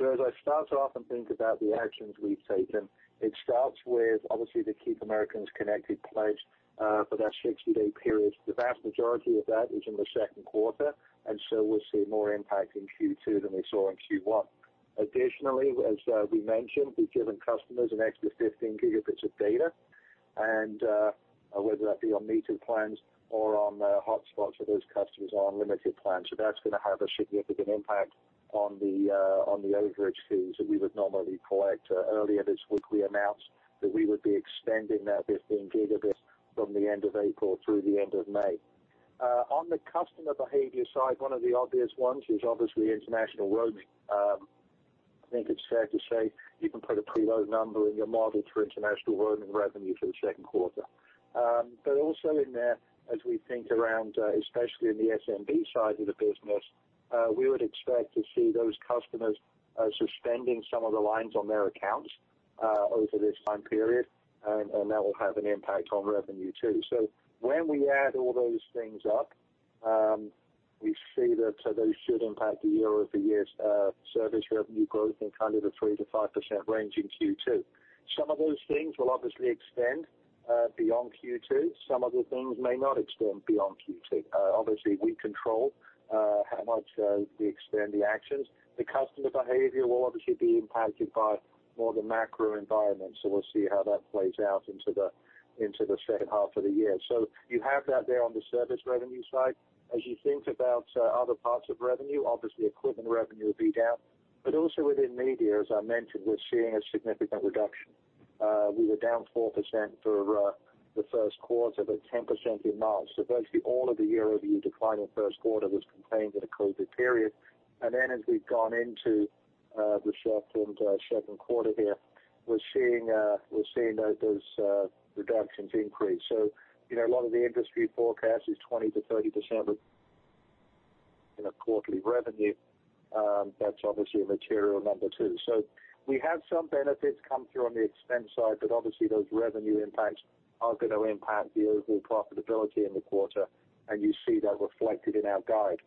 As I start off and think about the actions we've taken, it starts with obviously the Keep Americans Connected pledge for that 60-day period. The vast majority of that is in the second quarter, and so we'll see more impact in Q2 than we saw in Q1. Additionally, as we mentioned, we've given customers an extra 15 gigabits of data, whether that be on metered plans or on hotspots for those customers on limited plans. That's going to have a significant impact on the overage fees that we would normally collect. Earlier this week, we announced that we would be extending that 15 gigabits from the end of April through the end of May. On the customer behavior side, one of the obvious ones is obviously international roaming. I think it's fair to say you can put a placeholder number in your model for international roaming revenue for the second quarter. Also in there, as we think around, especially in the SMB side of the business, we would expect to see those customers suspending some of the lines on their accounts over this time period, and that will have an impact on revenue, too. When we add all those things up, we see that those should impact the year-over-year service revenue growth in kind of the 3%-5% range in Q2. Some of those things will obviously extend beyond Q2. Some of the things may not extend beyond Q2. Obviously, we control how much we extend the actions. The customer behavior will obviously be impacted by more the macro environment. We'll see how that plays out into the second half of the year. You have that there on the service revenue side. As you think about other parts of revenue, obviously equipment revenue will be down, but also within media, as I mentioned, we're seeing a significant reduction. We were down 4% for the first quarter, but 10% in March. Virtually all of the year-over-year decline in the first quarter was contained in the COVID period. As we've gone into the second quarter here, we're seeing those reductions increase. A lot of the industry forecast is 20%-30% in a quarterly revenue. That's obviously a material number, too. We have some benefits come through on the expense side, but obviously those revenue impacts are going to impact the overall profitability in the quarter, and you see that reflected in our guide.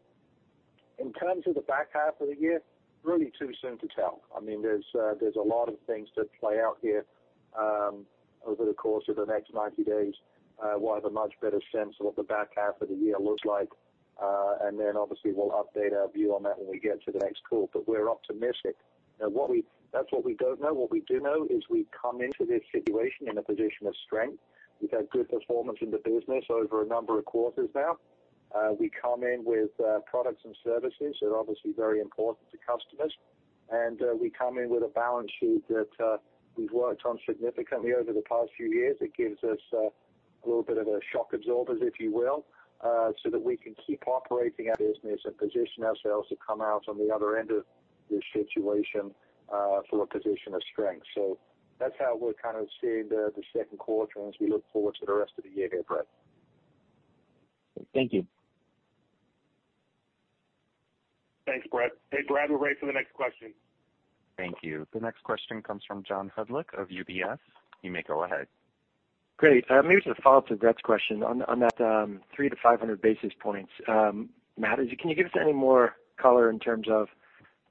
In terms of the back half of the year, really too soon to tell. There's a lot of things that play out here over the course of the next 90 days. We'll have a much better sense of what the back half of the year looks like, and then obviously we'll update our view on that when we get to the next call. We're optimistic. That's what we don't know. What we do know is we come into this situation in a position of strength. We've had good performance in the business over a number of quarters now. We come in with products and services that are obviously very important to customers, and we come in with a balance sheet that we've worked on significantly over the past few years. It gives us a little bit of a shock absorbers, if you will, so that we can keep operating our business and position ourselves to come out on the other end of this situation from a position of strength. That's how we're kind of seeing the second quarter and as we look forward to the rest of the year here, Brett. Thank you. Thanks, Brett. Hey, Brad, we're ready for the next question. Thank you. The next question comes from John Hodulik of UBS. You may go ahead. Great. Maybe just a follow-up to Brett's question on that three to 500 basis points. Matt, can you give us any more color in terms of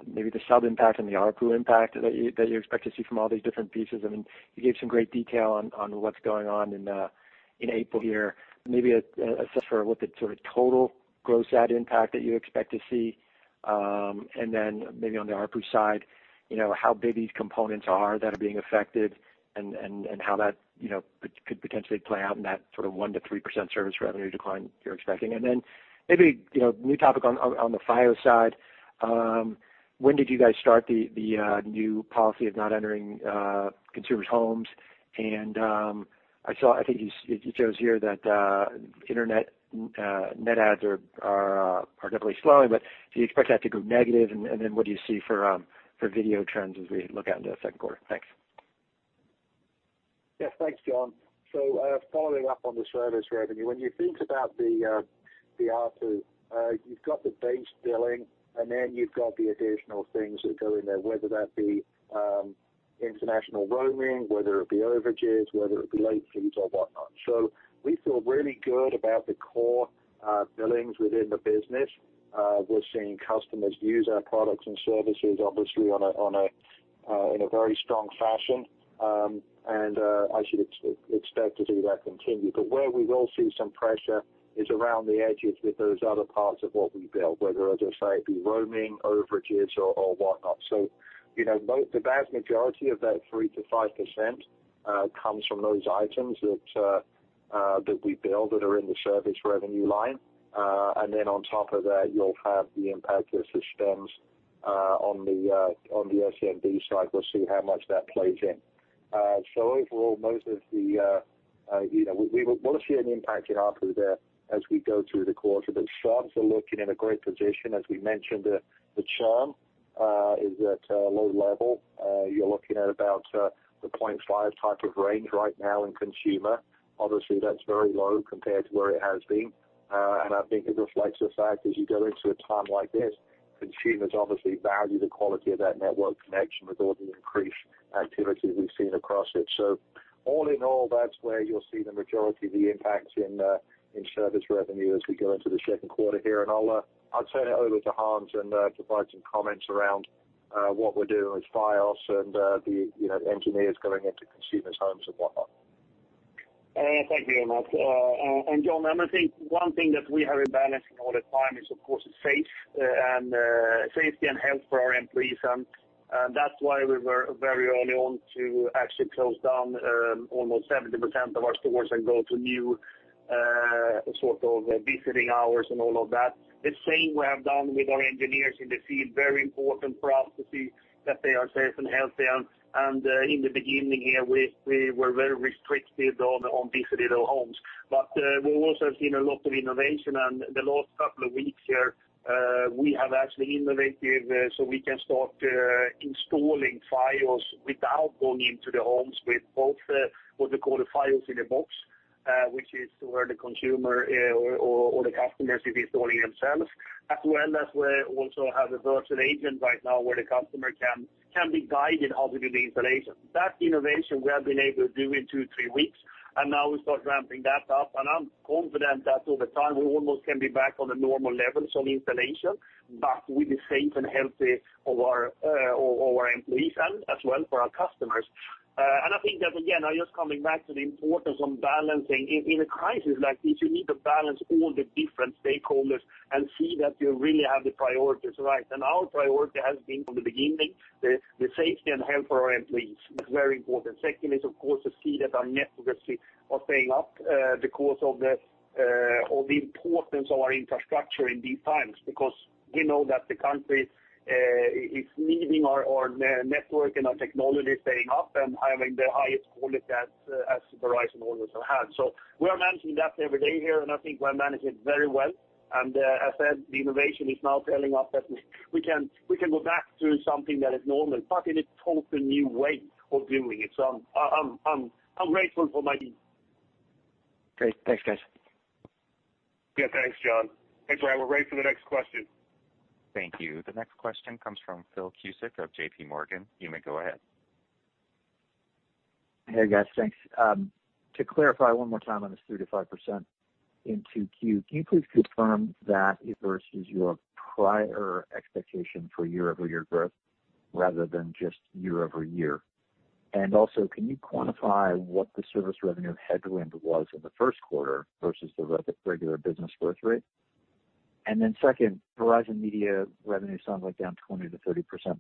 maybe the sub impact and the ARPU impact that you expect to see from all these different pieces? You gave some great detail on what's going on in April here. Maybe assess for what the sort of total gross add impact that you expect to see. Maybe on the ARPU side, how big these components are that are being affected and how that could potentially play out in that sort of 1%-3% service revenue decline you're expecting. Maybe, new topic on the Fios side. When did you guys start the new policy of not entering consumers' homes? I think you chose here that internet net adds are definitely slowing, but do you expect that to go negative? What do you see for video trends as we look out into the second quarter? Thanks. Thanks, John. Following up on the service revenue, when you think about the ARPU, you've got the base billing and then you've got the additional things that go in there, whether that be international roaming, whether it be overages, whether it be late fees or whatnot. We feel really good about the core billings within the business. We're seeing customers use our products and services, obviously, in a very strong fashion, and I should expect to see that continue. Where we will see some pressure is around the edges with those other parts of what we bill, whether, as I say, it be roaming, overages or whatnot. The vast majority of that 3%-5% comes from those items that we bill that are in the service revenue line. On top of that, you'll have the impact to the systems on the SMB side. We'll see how much that plays in. Overall, we will see an impact in ARPU there as we go through the quarter. Shops are looking in a great position. As we mentioned, the churn is at a low level. You're looking at about the 0.5 type of range right now in consumer. Obviously, that's very low compared to where it has been. I think it reflects the fact, as you go into a time like this, consumers obviously value the quality of that network connection with all the increased activity we've seen across it. All in all, that's where you'll see the majority of the impact in service revenue as we go into the second quarter here. I'll turn it over to Hans to provide some comments around what we're doing with Fios and the engineers going into consumers' homes and whatnot. Thank you, Matt. John, I think one thing that we have in balance in all the time is, of course, is safety and health for our employees. That's why we were very early on to actually close down almost 70% of our stores and go to new visiting hours and all of that. The same we have done with our engineers in the field. Very important for us to see that they are safe and healthy. In the beginning here, we were very restricted on visiting their homes. We've also seen a lot of innovation and the last couple of weeks here, we have actually innovated so we can start installing Fios without going into the homes with both what we call the Fios in a Box, which is where the consumer or the customers will be installing themselves, as well as we also have a virtual agent right now where the customer can be guided how to do the installation. That innovation, we have been able to do in two, three weeks, and now we start ramping that up. I'm confident that over time, we almost can be back on the normal levels on installation, but with the safe and healthy of our employees and as well for our customers. I think that, again, just coming back to the importance on balancing. In a crisis like this, you need to balance all the different stakeholders and see that you really have the priorities right. Our priority has been from the beginning, the safety and health for our employees is very important. Second is, of course, to see that our networks are staying up, because of the importance of our infrastructure in these times, because we know that the country is needing our network and our technology staying up and having the highest quality as Verizon also has. We are managing that every day here, and I think we're managing it very well. As said, the innovation is now scaling up that we can go back to something that is normal, but in a totally new way of doing it. I'm grateful for my team. Great. Thanks, guys. Yeah, thanks, John. Operator, we're ready for the next question. Thank you. The next question comes from Phil Cusick of JPMorgan. You may go ahead. Hey, guys. Thanks. To clarify one more time on this 3%-5% in 2Q, can you please confirm that it versus your prior expectation for year-over-year growth rather than just year-over-year? Also, can you quantify what the service revenue headwind was in the first quarter versus the regular business growth rate? Second, Verizon Media revenue sounds like down 20%-30% in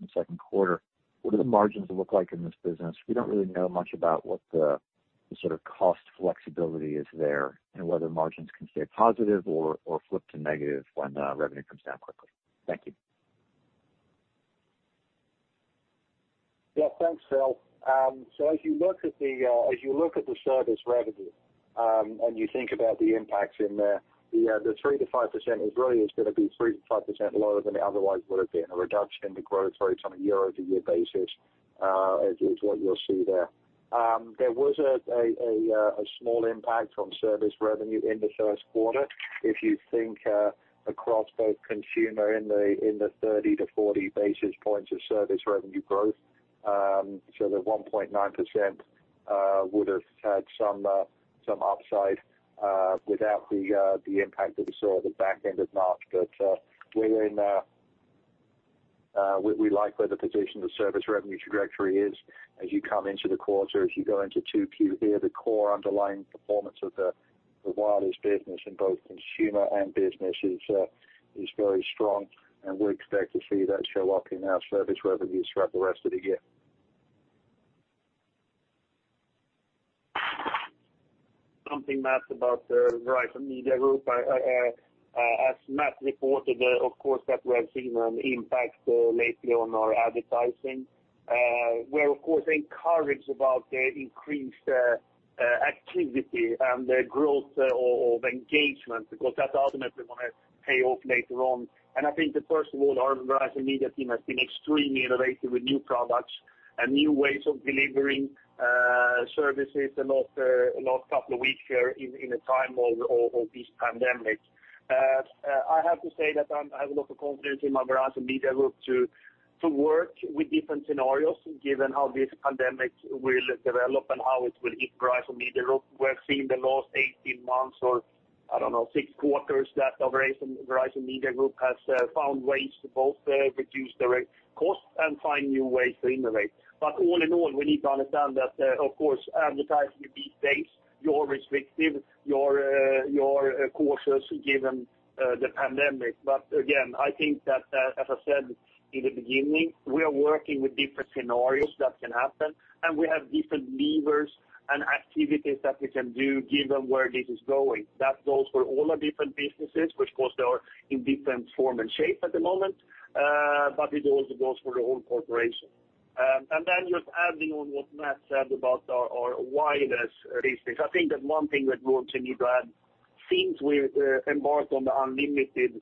the second quarter. What do the margins look like in this business? We don't really know much about what the sort of cost flexibility is there and whether margins can stay positive or flip to negative when revenue comes down quickly. Thank you. Yeah. Thanks, Phil. As you look at the service revenue, and you think about the impacts in the 3%-5% is really going to be 3%-5% lower than it otherwise would have been. A reduction in the growth rates on a year-over-year basis is what you'll see there. There was a small impact on service revenue in the first quarter. If you think across both consumer in the 30 to 40 basis points of service revenue growth. The 1.9% would have had some upside without the impact that we saw at the back end of March. We like where the position of service revenue trajectory is as you come into the quarter, as you go into 2Q here. The core underlying performance of the wireless business in both consumer and business is very strong, and we expect to see that show up in our service revenues throughout the rest of the year. Something, Matt, about Verizon Media Group. As Matt reported, of course, that we have seen an impact lately on our advertising. We're, of course, encouraged about the increased activity and the growth of engagement, because that ultimately going to pay off later on. I think that, first of all, our Verizon Media team has been extremely innovative with new products and new ways of delivering services the last couple of weeks here in a time of this pandemic. I have to say that I have a lot of confidence in my Verizon Media Group to work with different scenarios, given how this pandemic will develop and how it will hit Verizon Media Group. We're seeing the last 18 months or, I don't know, six quarters that Verizon Media Group has found ways to both reduce direct costs and find new ways to innovate. All in all, we need to understand that, of course, advertising these days, you're restrictive, you're cautious given the pandemic. Again, I think that, as I said in the beginning, we are working with different scenarios that can happen, and we have different levers and activities that we can do given where this is going. That goes for all our different businesses, which, of course, they are in different form and shape at the moment, but it also goes for the whole corporation. Then just adding on what Matt said about our wireless basics. I think that one thing that we'll continue to add, since we embarked on the unlimited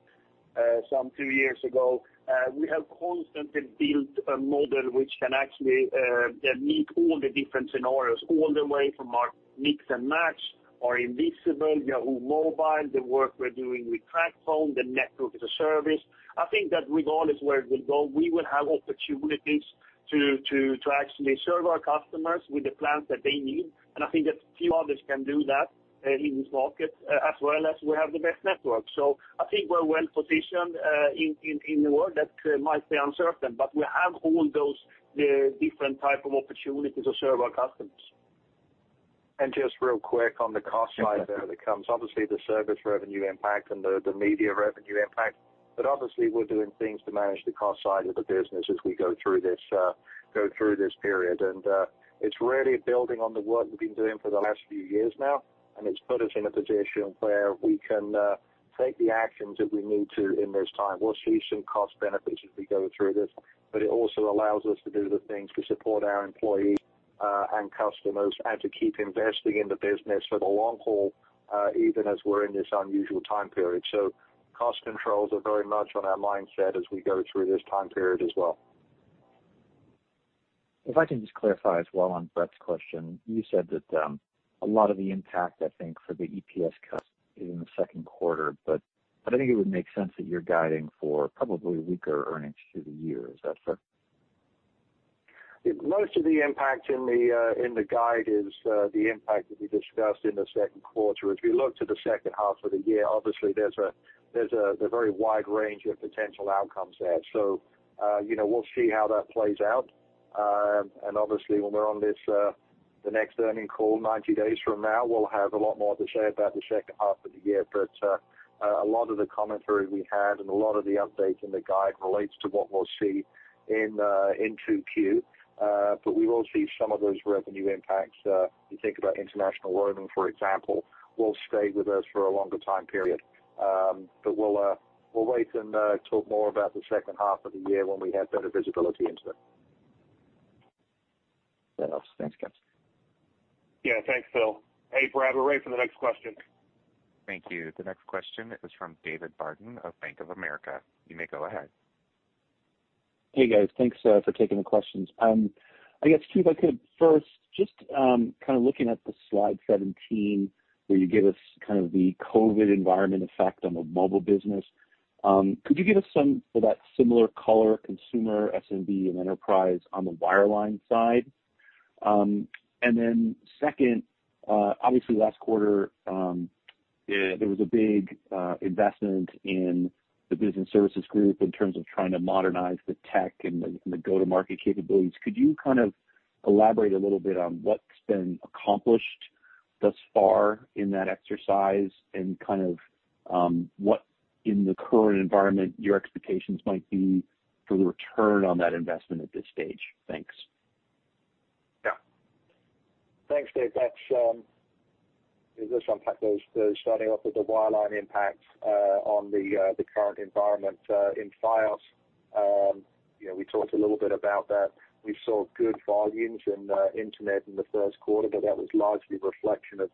some two years ago, we have constantly built a model which can actually meet all the different scenarios, all the way from our Mix & Match, our Visible, Yahoo Mobile, the work we're doing with TracFone, the network as a service. I think that regardless where it will go, we will have opportunities to actually serve our customers with the plans that they need. I think that few others can do that in this market, as well as we have the best network. I think we're well-positioned in a world that might be uncertain, but we have all those different type of opportunities to serve our customers. Just real quick on the cost side there that comes, obviously, the service revenue impact and the media revenue impact. Obviously, we're doing things to manage the cost side of the business as we go through this period. It's really building on the work we've been doing for the last few years now, and it's put us in a position where we can take the actions that we need to in this time. We'll see some cost benefits as we go through this, but it also allows us to do the things to support our employees and customers and to keep investing in the business for the long haul, even as we're in this unusual time period. Cost controls are very much on our mindset as we go through this time period as well. If I can just clarify as well on Brett's question, you said that a lot of the impact, I think, for the EPS cut is in the second quarter, but I think it would make sense that you're guiding for probably weaker earnings through the year. Is that fair? Most of the impact in the guide is the impact that we discussed in the second quarter. If you look to the second half of the year, obviously there's a very wide range of potential outcomes there. We'll see how that plays out. Obviously when we're on the next earning call 90 days from now, we'll have a lot more to say about the second half of the year. A lot of the commentary we had and a lot of the updates in the guide relates to what we'll see in 2Q, but we will see some of those revenue impacts, if you think about international roaming, for example, will stay with us for a longer time period. We'll wait and talk more about the second half of the year when we have better visibility into it. That helps. Thanks, guys. Yeah. Thanks, Phil. Hey, Brad, we're ready for the next question. Thank you. The next question is from David Barden of Bank of America. You may go ahead. Hey, guys. Thanks for taking the questions. I guess, I could first just looking at the slide 17 where you give us the COVID environment effect on the mobile business, could you give us some for that similar color consumer SMB and enterprise on the wireline side? Second, obviously last quarter, there was a big investment in the business services group in terms of trying to modernize the tech and the go-to-market capabilities. Could you elaborate a little bit on what's been accomplished thus far in that exercise and what, in the current environment, your expectations might be for the return on that investment at this stage? Thanks. Yeah. Thanks, Dave. Let's unpack those. Starting off with the wireline impact on the current environment in Fios. We talked a little bit about that. We saw good volumes in internet in the first quarter, but that was largely a reflection of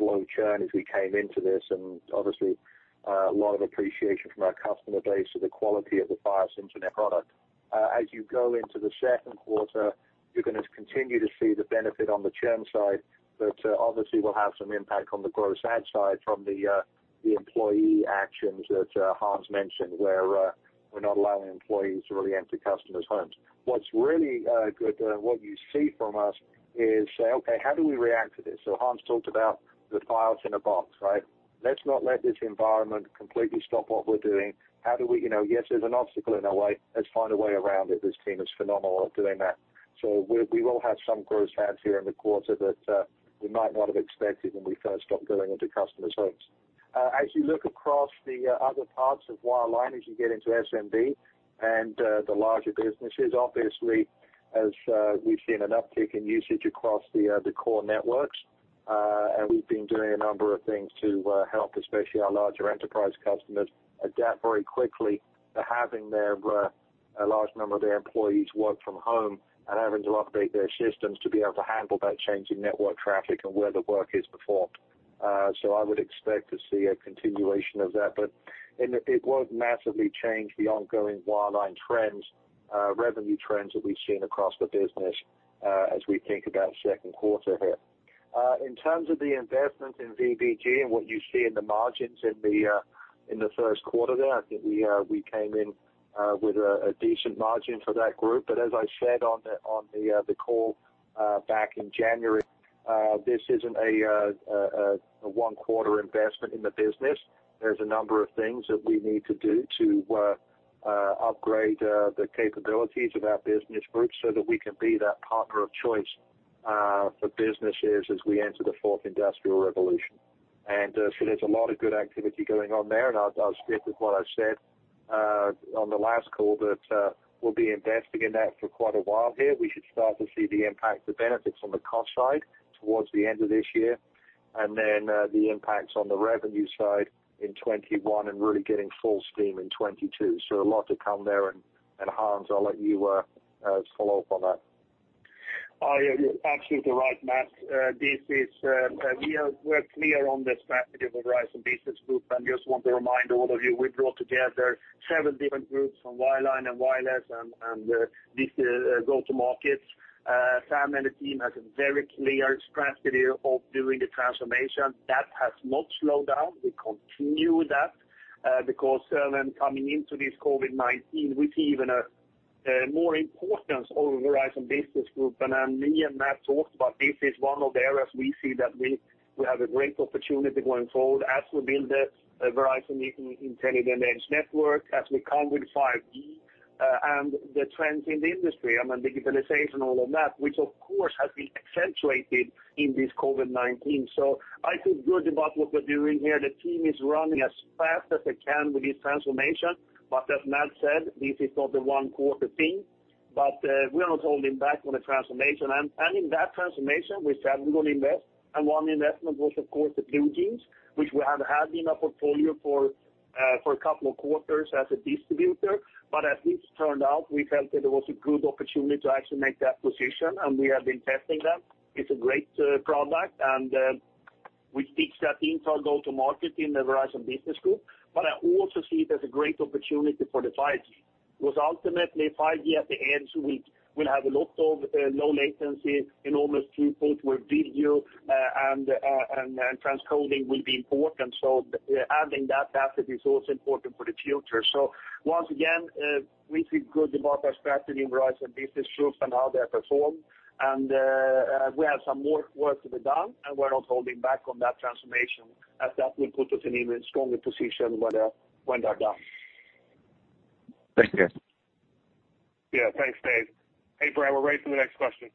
low churn as we came into this, and obviously, a lot of appreciation from our customer base for the quality of the Fios internet product. As you go into the second quarter, you're going to continue to see the benefit on the churn side, but obviously, we'll have some impact on the gross add side from the employee actions that Hans mentioned, where we're not allowing employees to really enter customers' homes. What's really good, what you see from us is, okay, how do we react to this? Hans talked about the Fios in a Box, right? Let's not let this environment completely stop what we're doing. Yes, there's an obstacle in our way. Let's find a way around it. This team is phenomenal at doing that. We will have some gross adds here in the quarter that we might not have expected when we first stopped going into customers' homes. As you look across the other parts of wireline, as you get into SMB and the larger businesses, obviously, as we've seen an uptick in usage across the core networks, and we've been doing a number of things to help, especially our larger enterprise customers adapt very quickly to having a large number of their employees work from home and having to update their systems to be able to handle that change in network traffic and where the work is performed. I would expect to see a continuation of that, but it won't massively change the ongoing wireline revenue trends that we've seen across the business as we think about second quarter here. In terms of the investment in VBG and what you see in the margins in the first quarter there, I think we came in with a decent margin for that group. As I said on the call back in January, this isn't a one-quarter investment in the business. There's a number of things that we need to do to upgrade the capabilities of our business groups so that we can be that partner of choice for businesses as we enter the Fourth Industrial Revolution. There's a lot of good activity going on there, I'll stick with what I said on the last call that we'll be investing in that for quite a while here. We should start to see the impact, the benefits on the cost side towards the end of this year. The impacts on the revenue side in 2021 and really getting full steam in 2022. A lot to come there, Hans, I'll let you follow up on that. Absolutely right, Matt. We're clear on the strategy of Verizon Business Group, and just want to remind all of you, we brought together several different groups from wireline and wireless and these go-to markets. Sam and the team has a very clear strategy of doing the transformation. That has not slowed down. We continue that, because coming into this COVID-19, we see even a more importance of Verizon Business Group. Me and Matt talked about this is one of the areas we see that we have a great opportunity going forward as we build a Verizon Intelligent Edge Network, as we come with 5G, and the trends in the industry, and the digitalization, all of that, which, of course, has been accentuated in this COVID-19. I feel good about what we're doing here. The team is running as fast as they can with this transformation. As Matt said, this is not a one-quarter thing. We're not holding back on the transformation. In that transformation, we said we will invest. One investment was, of course, the BlueJeans, which we have had in our portfolio for a couple of quarters as a distributor. As this turned out, we felt that it was a good opportunity to actually make that acquisition, and we have been testing that. It's a great product, and we think that it's our go-to-market in the Verizon Business Group. I also see it as a great opportunity for the 5G. Ultimately, 5G at the edge will have a lot of low latency, enormous throughput with video, and transcoding will be important, so having that asset is also important for the future. Once again, we feel good about our strategy in Verizon Business Group and how they perform. We have some more work to be done, and we're not holding back on that transformation, as that will put us in even stronger position when they're done. Thank you. Yeah. Thanks, Dave. Hey, Brad, we're ready for the next question.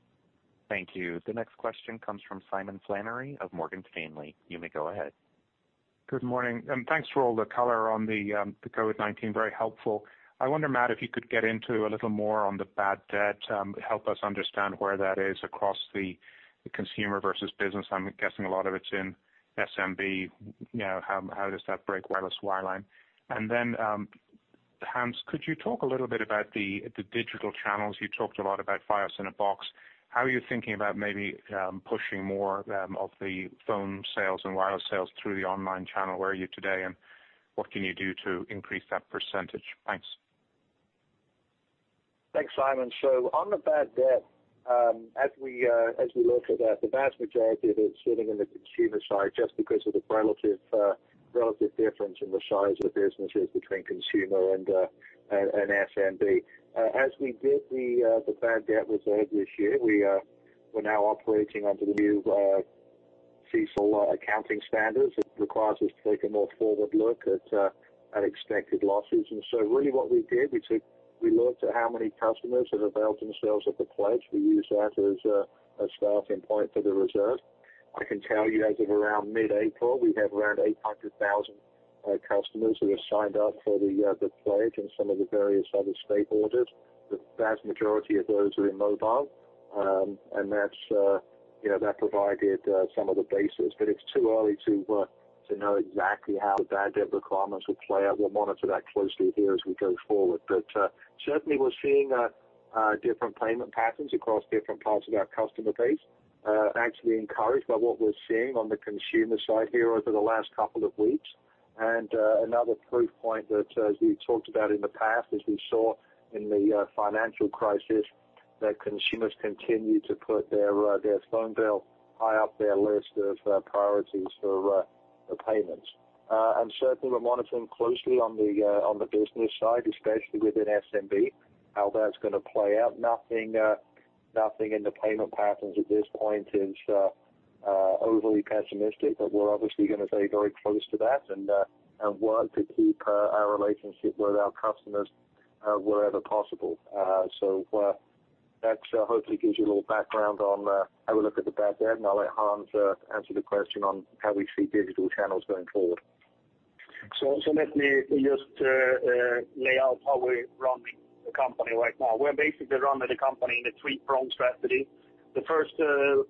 Thank you. The next question comes from Simon Flannery of Morgan Stanley. You may go ahead. Good morning. Thanks for all the color on the COVID-19. Very helpful. I wonder, Matt, if you could get into a little more on the bad debt, help us understand where that is across the consumer versus business. I'm guessing a lot of it's in SMB. How does that break wireless, wireline? Then, Hans, could you talk a little bit about the digital channels? You talked a lot about Fios in a Box. How are you thinking about maybe pushing more of the phone sales and wireless sales through the online channel? Where are you today, and what can you do to increase that percentage? Thanks. Thanks, Simon. On the bad debt, as we look at that, the vast majority of it is sitting in the consumer side just because of the relative difference in the size of the businesses between consumer and SMB. As we did the bad debt reserve this year, we are now operating under the new CECL accounting standards that requires us to take a more forward look at expected losses. Really what we did, we looked at how many customers have availed themselves of the pledge. We used that as a starting point for the reserve. I can tell you as of around mid-April, we have around 800,000 customers who have signed up for the pledge and some of the various other state orders. The vast majority of those are in mobile. That provided some of the basis, but it's too early to know exactly how the bad debt requirements will play out. We'll monitor that closely here as we go forward. Certainly, we're seeing different payment patterns across different parts of our customer base. Actually encouraged by what we're seeing on the consumer side here over the last couple of weeks. Another proof point that as we talked about in the past, as we saw in the financial crisis, that consumers continue to put their phone bill high up their list of priorities for payments. Certainly, we're monitoring closely on the business side, especially within SMB, how that's going to play out. Nothing in the payment patterns at this point is overly pessimistic, but we're obviously going to stay very close to that and work to keep our relationship with our customers wherever possible. That hopefully gives you a little background on how we look at the bad debt, and I'll let Hans answer the question on how we see digital channels going forward. Let me just lay out how we're running the company right now. We're basically running the company in a three-pronged strategy. The first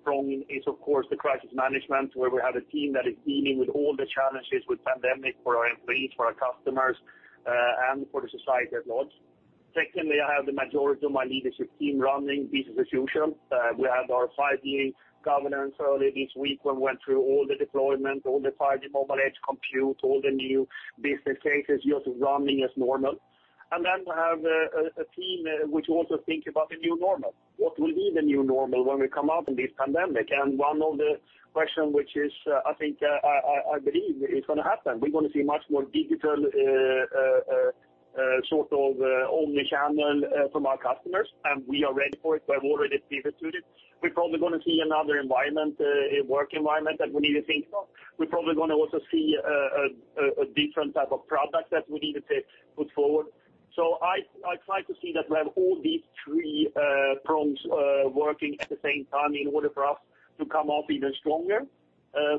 prong is, of course, the crisis management, where we have a team that is dealing with all the challenges with pandemic for our employees, for our customers, and for the society at large. Secondly, I have the majority of my leadership team running business as usual. We had our 5G governance early this week when we went through all the deployment, all the 5G mobile edge compute, all the new business cases just running as normal. We have a team which also think about the new normal. What will be the new normal when we come out of this pandemic? One of the question which is, I believe, is going to happen, we're going to see much more digital sort of omni-channel from our customers, and we are ready for it. We're already pivoted to this. We're probably going to see another work environment that we need to think of. We're probably going to also see a different type of product that we need to put forward. I try to see that we have all these three prongs working at the same time in order for us to come out even stronger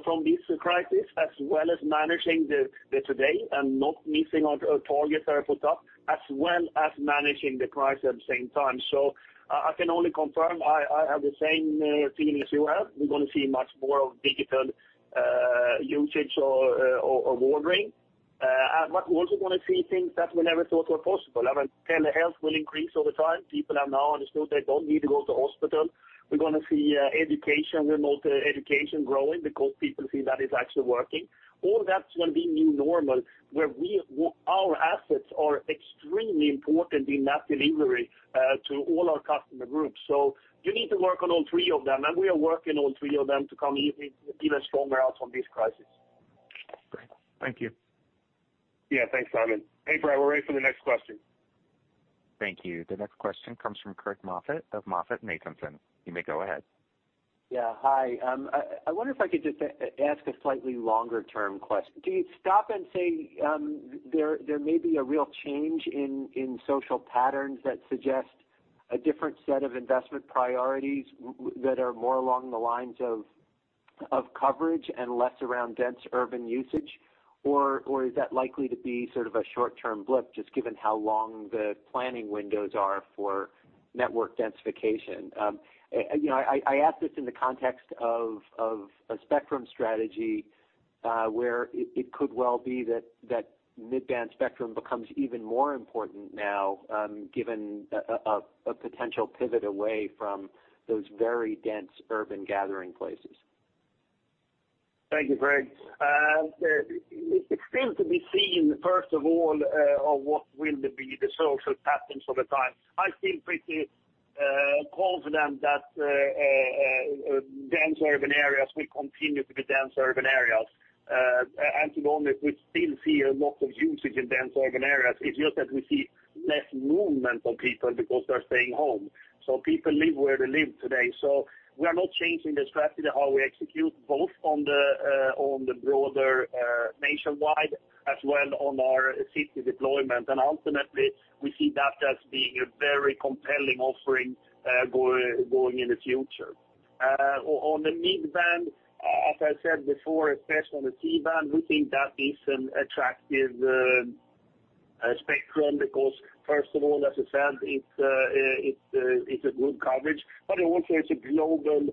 from this crisis, as well as managing the today and not missing our targets that are put up, as well as managing the crisis at the same time. I can only confirm I have the same feeling as you have. We're going to see much more of digital usage or ordering. We also want to see things that we never thought were possible. I mean, telehealth will increase over time. People have now understood they don't need to go to hospital. We're going to see remote education growing because people see that it's actually working. All that's going to be new normal, where our assets are extremely important in that delivery to all our customer groups. You need to work on all three of them, and we are working on all three of them to come even stronger out from this crisis. Great. Thank you. Yeah. Thanks, Simon. Hey, Brad, we're ready for the next question. Thank you. The next question comes from Craig Moffett of MoffettNathanson. You may go ahead. Yeah. Hi. I wonder if I could just ask a slightly longer-term question. Do you stop and say, there may be a real change in social patterns that suggest a different set of investment priorities that are more along the lines of coverage and less around dense urban usage? Or is that likely to be sort of a short-term blip, just given how long the planning windows are for network densification? I ask this in the context of a spectrum strategy, where it could well be that mid-band spectrum becomes even more important now, given a potential pivot away from those very dense urban gathering places. Thank you, Craig. It's still to be seen, first of all, on what will be the social patterns over time. I feel pretty confident that dense urban areas will continue to be dense urban areas. To be honest, we still see a lot of usage in dense urban areas. It's just that we see less movement of people because they're staying home. People live where they live today. We are not changing the strategy of how we execute, both on the broader nationwide as well on our city deployment. Ultimately, we see that as being a very compelling offering going in the future. On the mid-band, as I said before, especially on the C-band, we think that is an attractive spectrum because first of all, as I said, it's a good coverage, but also it's a global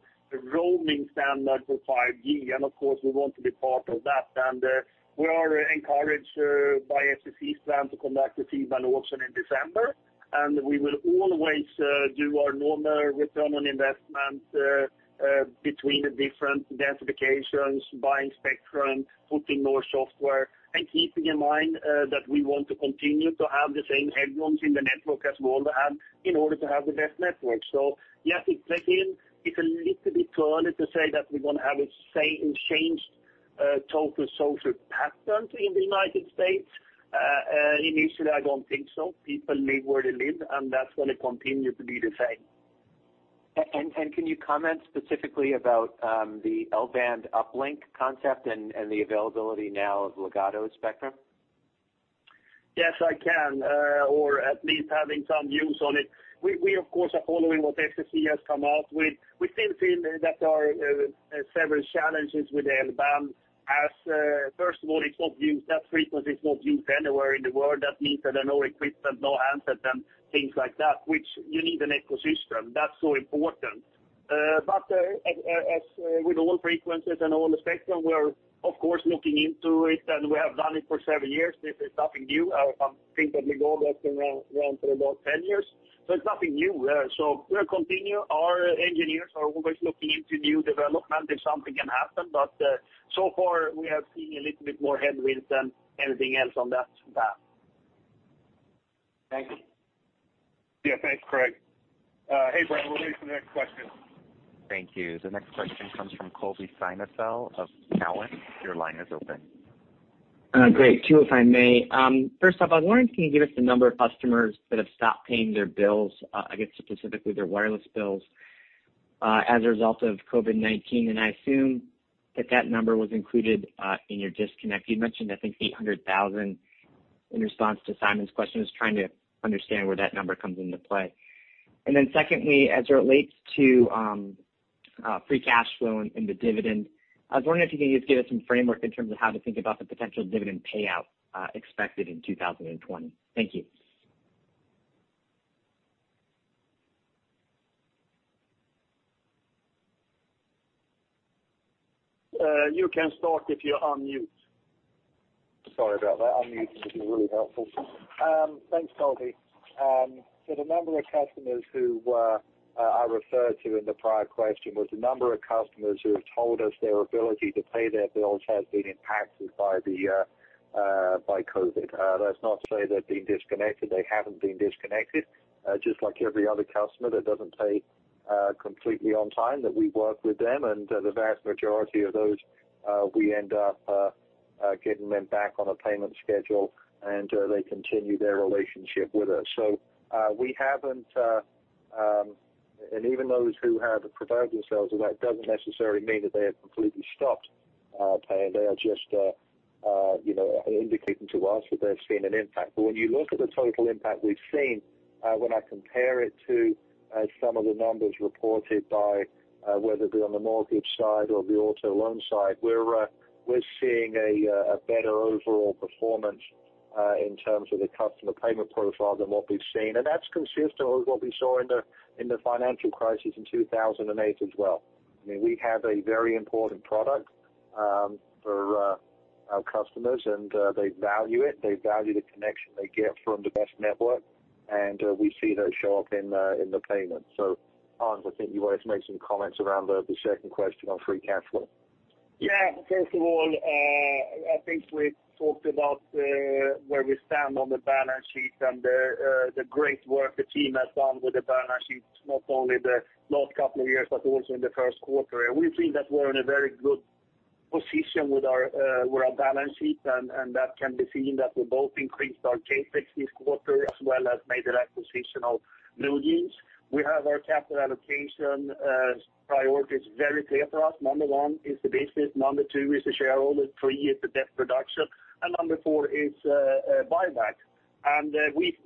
roaming standard for 5G. Of course, we want to be part of that. We are encouraged by FCC's plan to conduct the C-band auction in December. We will always do our normal return on investment between the different densifications, buying spectrum, putting more software, and keeping in mind that we want to continue to have the same headrooms in the network as we all have in order to have the best network. Yes, it's a little bit too early to say that we're going to have a changed total social pattern in the U.S. Initially, I don't think so. People live where they live, and that's going to continue to be the same. Can you comment specifically about the L-band uplink concept and the availability now of Ligado spectrum? Yes, I can. At least having some views on it. We, of course, are following what FCC has come out with. We still feel that there are several challenges with the L-band as, first of all, that frequency is not used anywhere in the world. That means that there are no equipment, no handsets, and things like that, which you need an ecosystem. That's so important. As with all frequencies and all the spectrum, we're of course looking into it, and we have done it for several years. This is nothing new. I think that Ligado has been around for about 10 years, it's nothing new. We'll continue. Our engineers are always looking into new development if something can happen. So far, we have seen a little bit more headwinds than anything else on that path. Thank you. Yeah. Thanks, Craig. Hey, Brad, we're ready for the next question. Thank you. The next question comes from Colby Synesael of Cowen. Your line is open. Great. Two, if I may. First off, I was wondering if you can give us the number of customers that have stopped paying their bills, I guess, specifically their wireless bills, as a result of COVID-19. I assume that that number was included in your disconnect. You mentioned, I think, 800,000 in response to Simon's question. I was trying to understand where that number comes into play. Secondly, as it relates to free cash flow and the dividend, I was wondering if you can just give us some framework in terms of how to think about the potential dividend payout expected in 2020. Thank you. You can start if you unmute. Sorry about that. Unmuting would be really helpful. Thanks, Colby. The number of customers who I referred to in the prior question was the number of customers who have told us their ability to pay their bills has been impacted by COVID. That's not to say they're being disconnected. They haven't been disconnected. Just like every other customer that doesn't pay completely on time, that we work with them, and the vast majority of those, we end up getting them back on a payment schedule, and they continue their relationship with us. We haven't, and even those who have provoked themselves, that doesn't necessarily mean that they have completely stopped paying. They are just indicating to us that they're seeing an impact. When you look at the total impact we've seen, when I compare it to some of the numbers reported by, whether it be on the mortgage side or the auto loan side, we're seeing a better overall performance in terms of the customer payment profile than what we've seen. That's consistent with what we saw in the financial crisis in 2008 as well. We have a very important product for our customers, and they value it. They value the connection they get from the best network, and we see that show up in the payments. Hans, I think you wanted to make some comments around the second question on free cash flow. First of all, I think we talked about where we stand on the balance sheet and the great work the team has done with the balance sheet, not only the last couple of years, but also in the first quarter. We think that we're in a very good position with our balance sheet, and that can be seen that we both increased our CapEx this quarter, as well as made an acquisition of BlueJeans. We have our capital allocation priorities very clear for us. Number one is the business, number two is the shareholder, three is the debt reduction, and number four is buyback. We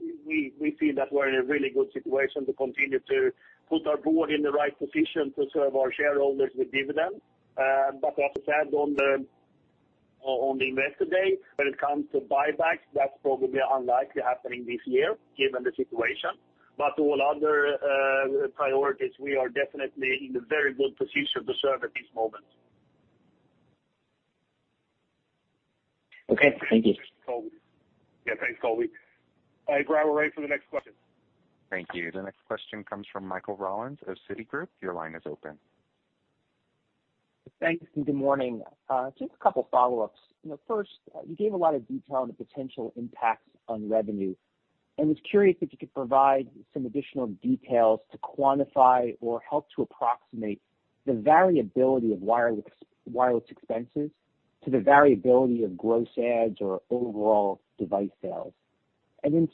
feel that we're in a really good situation to continue to put our board in the right position to serve our shareholders with dividends. As I said on the investor day, when it comes to buybacks, that's probably unlikely happening this year given the situation. All other priorities, we are definitely in a very good position to serve at this moment. Okay. Thank you. Yeah. Thanks, Colby. Brad, we're ready for the next question. Thank you. The next question comes from Michael Rollins of Citigroup. Your line is open. Thanks, and good morning. Just a couple follow-ups. First, you gave a lot of detail on the potential impacts on revenue. I was curious if you could provide some additional details to quantify or help to approximate the variability of wireless expenses to the variability of gross adds or overall device sales.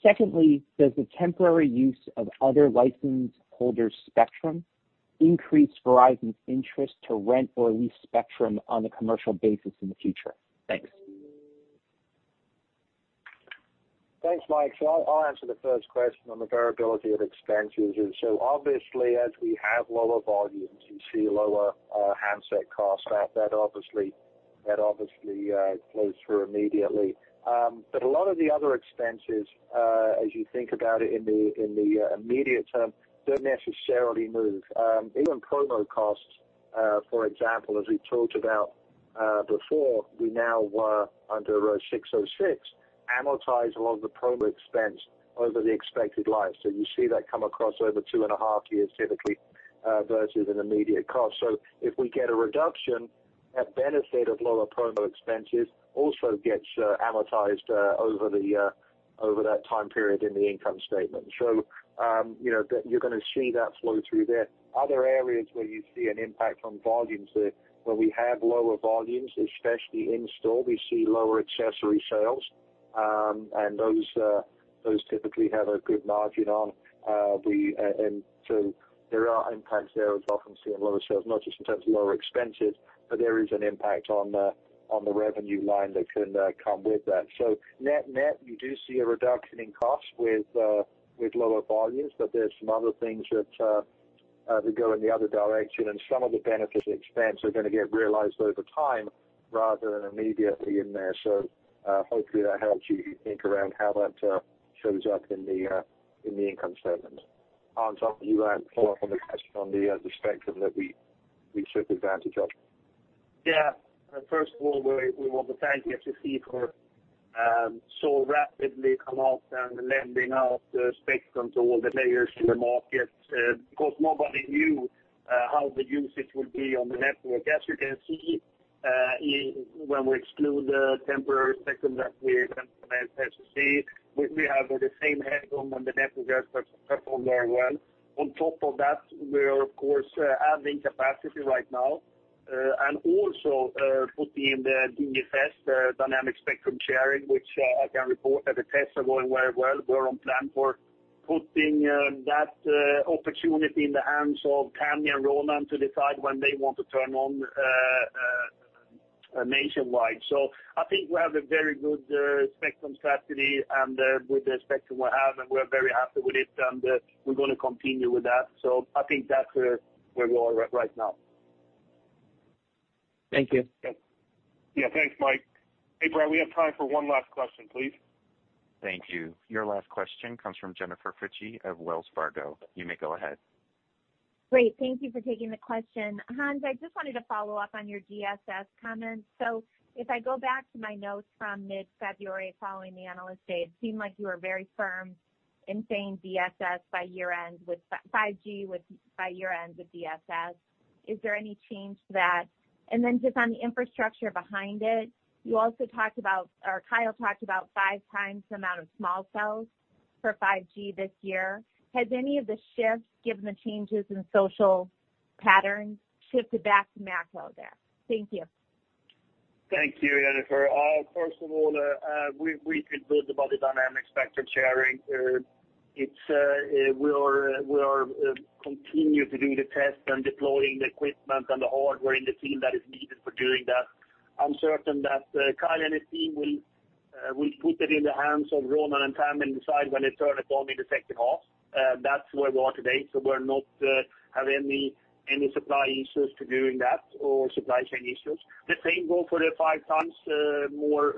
Secondly, does the temporary use of other license holder spectrum increase Verizon's interest to rent or lease spectrum on a commercial basis in the future? Thanks. Thanks, Mike. I'll answer the first question on the variability of expenses. Obviously, as we have lower volumes, you see lower handset costs. That obviously plays through immediately. A lot of the other expenses, as you think about it in the immediate term, don't necessarily move. Even promo costs, for example, as we talked about before, we now, under ASC 606, amortize a lot of the promo expense over the expected life. You see that come across over two-and-a-half years, typically, versus an immediate cost. If we get a reduction, that benefit of lower promo expenses also gets amortized over that time period in the income statement. You're going to see that flow through there. Other areas where you see an impact on volumes, where we have lower volumes, especially in store, we see lower accessory sales. Those typically have a good margin on. There are impacts there as well from seeing lower sales, not just in terms of lower expenses, but there is an impact on the revenue line that can come with that. Net-net, you do see a reduction in cost with lower volumes, but there's some other things that go in the other direction. Some of the benefits expense are going to get realized over time rather than immediately in there. Hopefully that helps you think around how that shows up in the income statement. Hans, I'll let you add more on the question on the spectrum that we took advantage of. First of all, we want to thank FCC for so rapidly come out and lending out the spectrum to all the players to the market. Because nobody knew how the usage would be on the network. As you can see, when we exclude the temporary spectrum that we implemented, FCC, we have the same headroom on the network that performs very well. On top of that, we're of course adding capacity right now. Also putting in the DSS, the dynamic spectrum sharing, which I can report that the tests are going very well. We're on plan for putting that opportunity in the hands of Tami and Ronan to decide when they want to turn on nationwide. I think we have a very good spectrum strategy with the spectrum we have, and we're very happy with it, and we're going to continue with that. I think that's where we are right now. Thank you. Yeah. Thanks, Mike. Hey, Brad, we have time for one last question, please. Thank you. Your last question comes from Jennifer Fritzsche of Wells Fargo. You may go ahead. Great. Thank you for taking the question. Hans, I just wanted to follow up on your DSS comments. If I go back to my notes from mid-February following the Analyst Day, it seemed like you were very firm in saying 5G by year-end with DSS. Is there any change to that? Then just on the infrastructure behind it, you also talked about, or Kyle talked about five times the amount of small cells for 5G this year. Has any of the shifts, given the changes in social patterns, shifted back to macro there? Thank you. Thank you, Jennifer. First of all, we feel good about the dynamic spectrum sharing. We are continuing to do the tests and deploying the equipment and the hardware and the team that is needed for doing that. I'm certain that Kyle and his team will put it in the hands of Ronan and Tami and decide when they turn it on in the second half. That's where we are today. We're not having any supply issues to doing that or supply chain issues. The same go for the five times more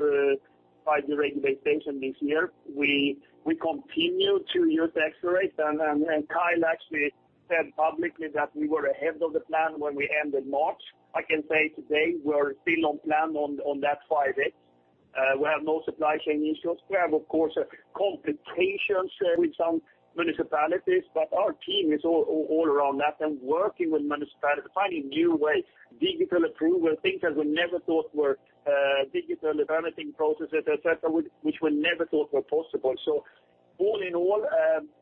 5G radio base stations this year. We continue to year to accelerate, and Kyle actually said publicly that we were ahead of the plan when we ended March. I can say today we're still on plan on that 5X. We have no supply chain issues. We have, of course, complications with some municipalities. Our team is all around that and working with municipalities, finding new ways, digital approval, things that we never thought were digital, permitting processes, etc., which we never thought were possible. All in all,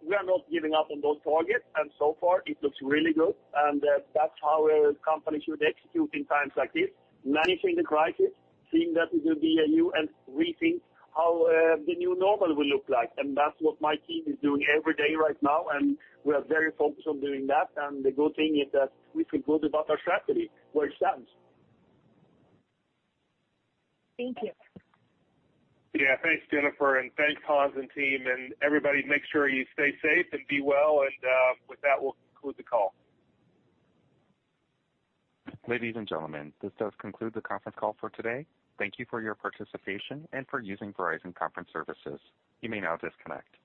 we are not giving up on those targets. So far it looks really good. That's how companies should execute in times like this, managing the crisis, seeing that it will be a new, and rethink how the new normal will look like. That's what my team is doing every day right now, and we are very focused on doing that. The good thing is that we feel good about our strategy, where it stands. Thank you. Yeah. Thanks, Jennifer, and thanks, Hans and team. Everybody, make sure you stay safe and be well. With that, we'll conclude the call. Ladies and gentlemen, this does conclude the conference call for today. Thank you for your participation and for using Verizon Conference Services. You may now disconnect.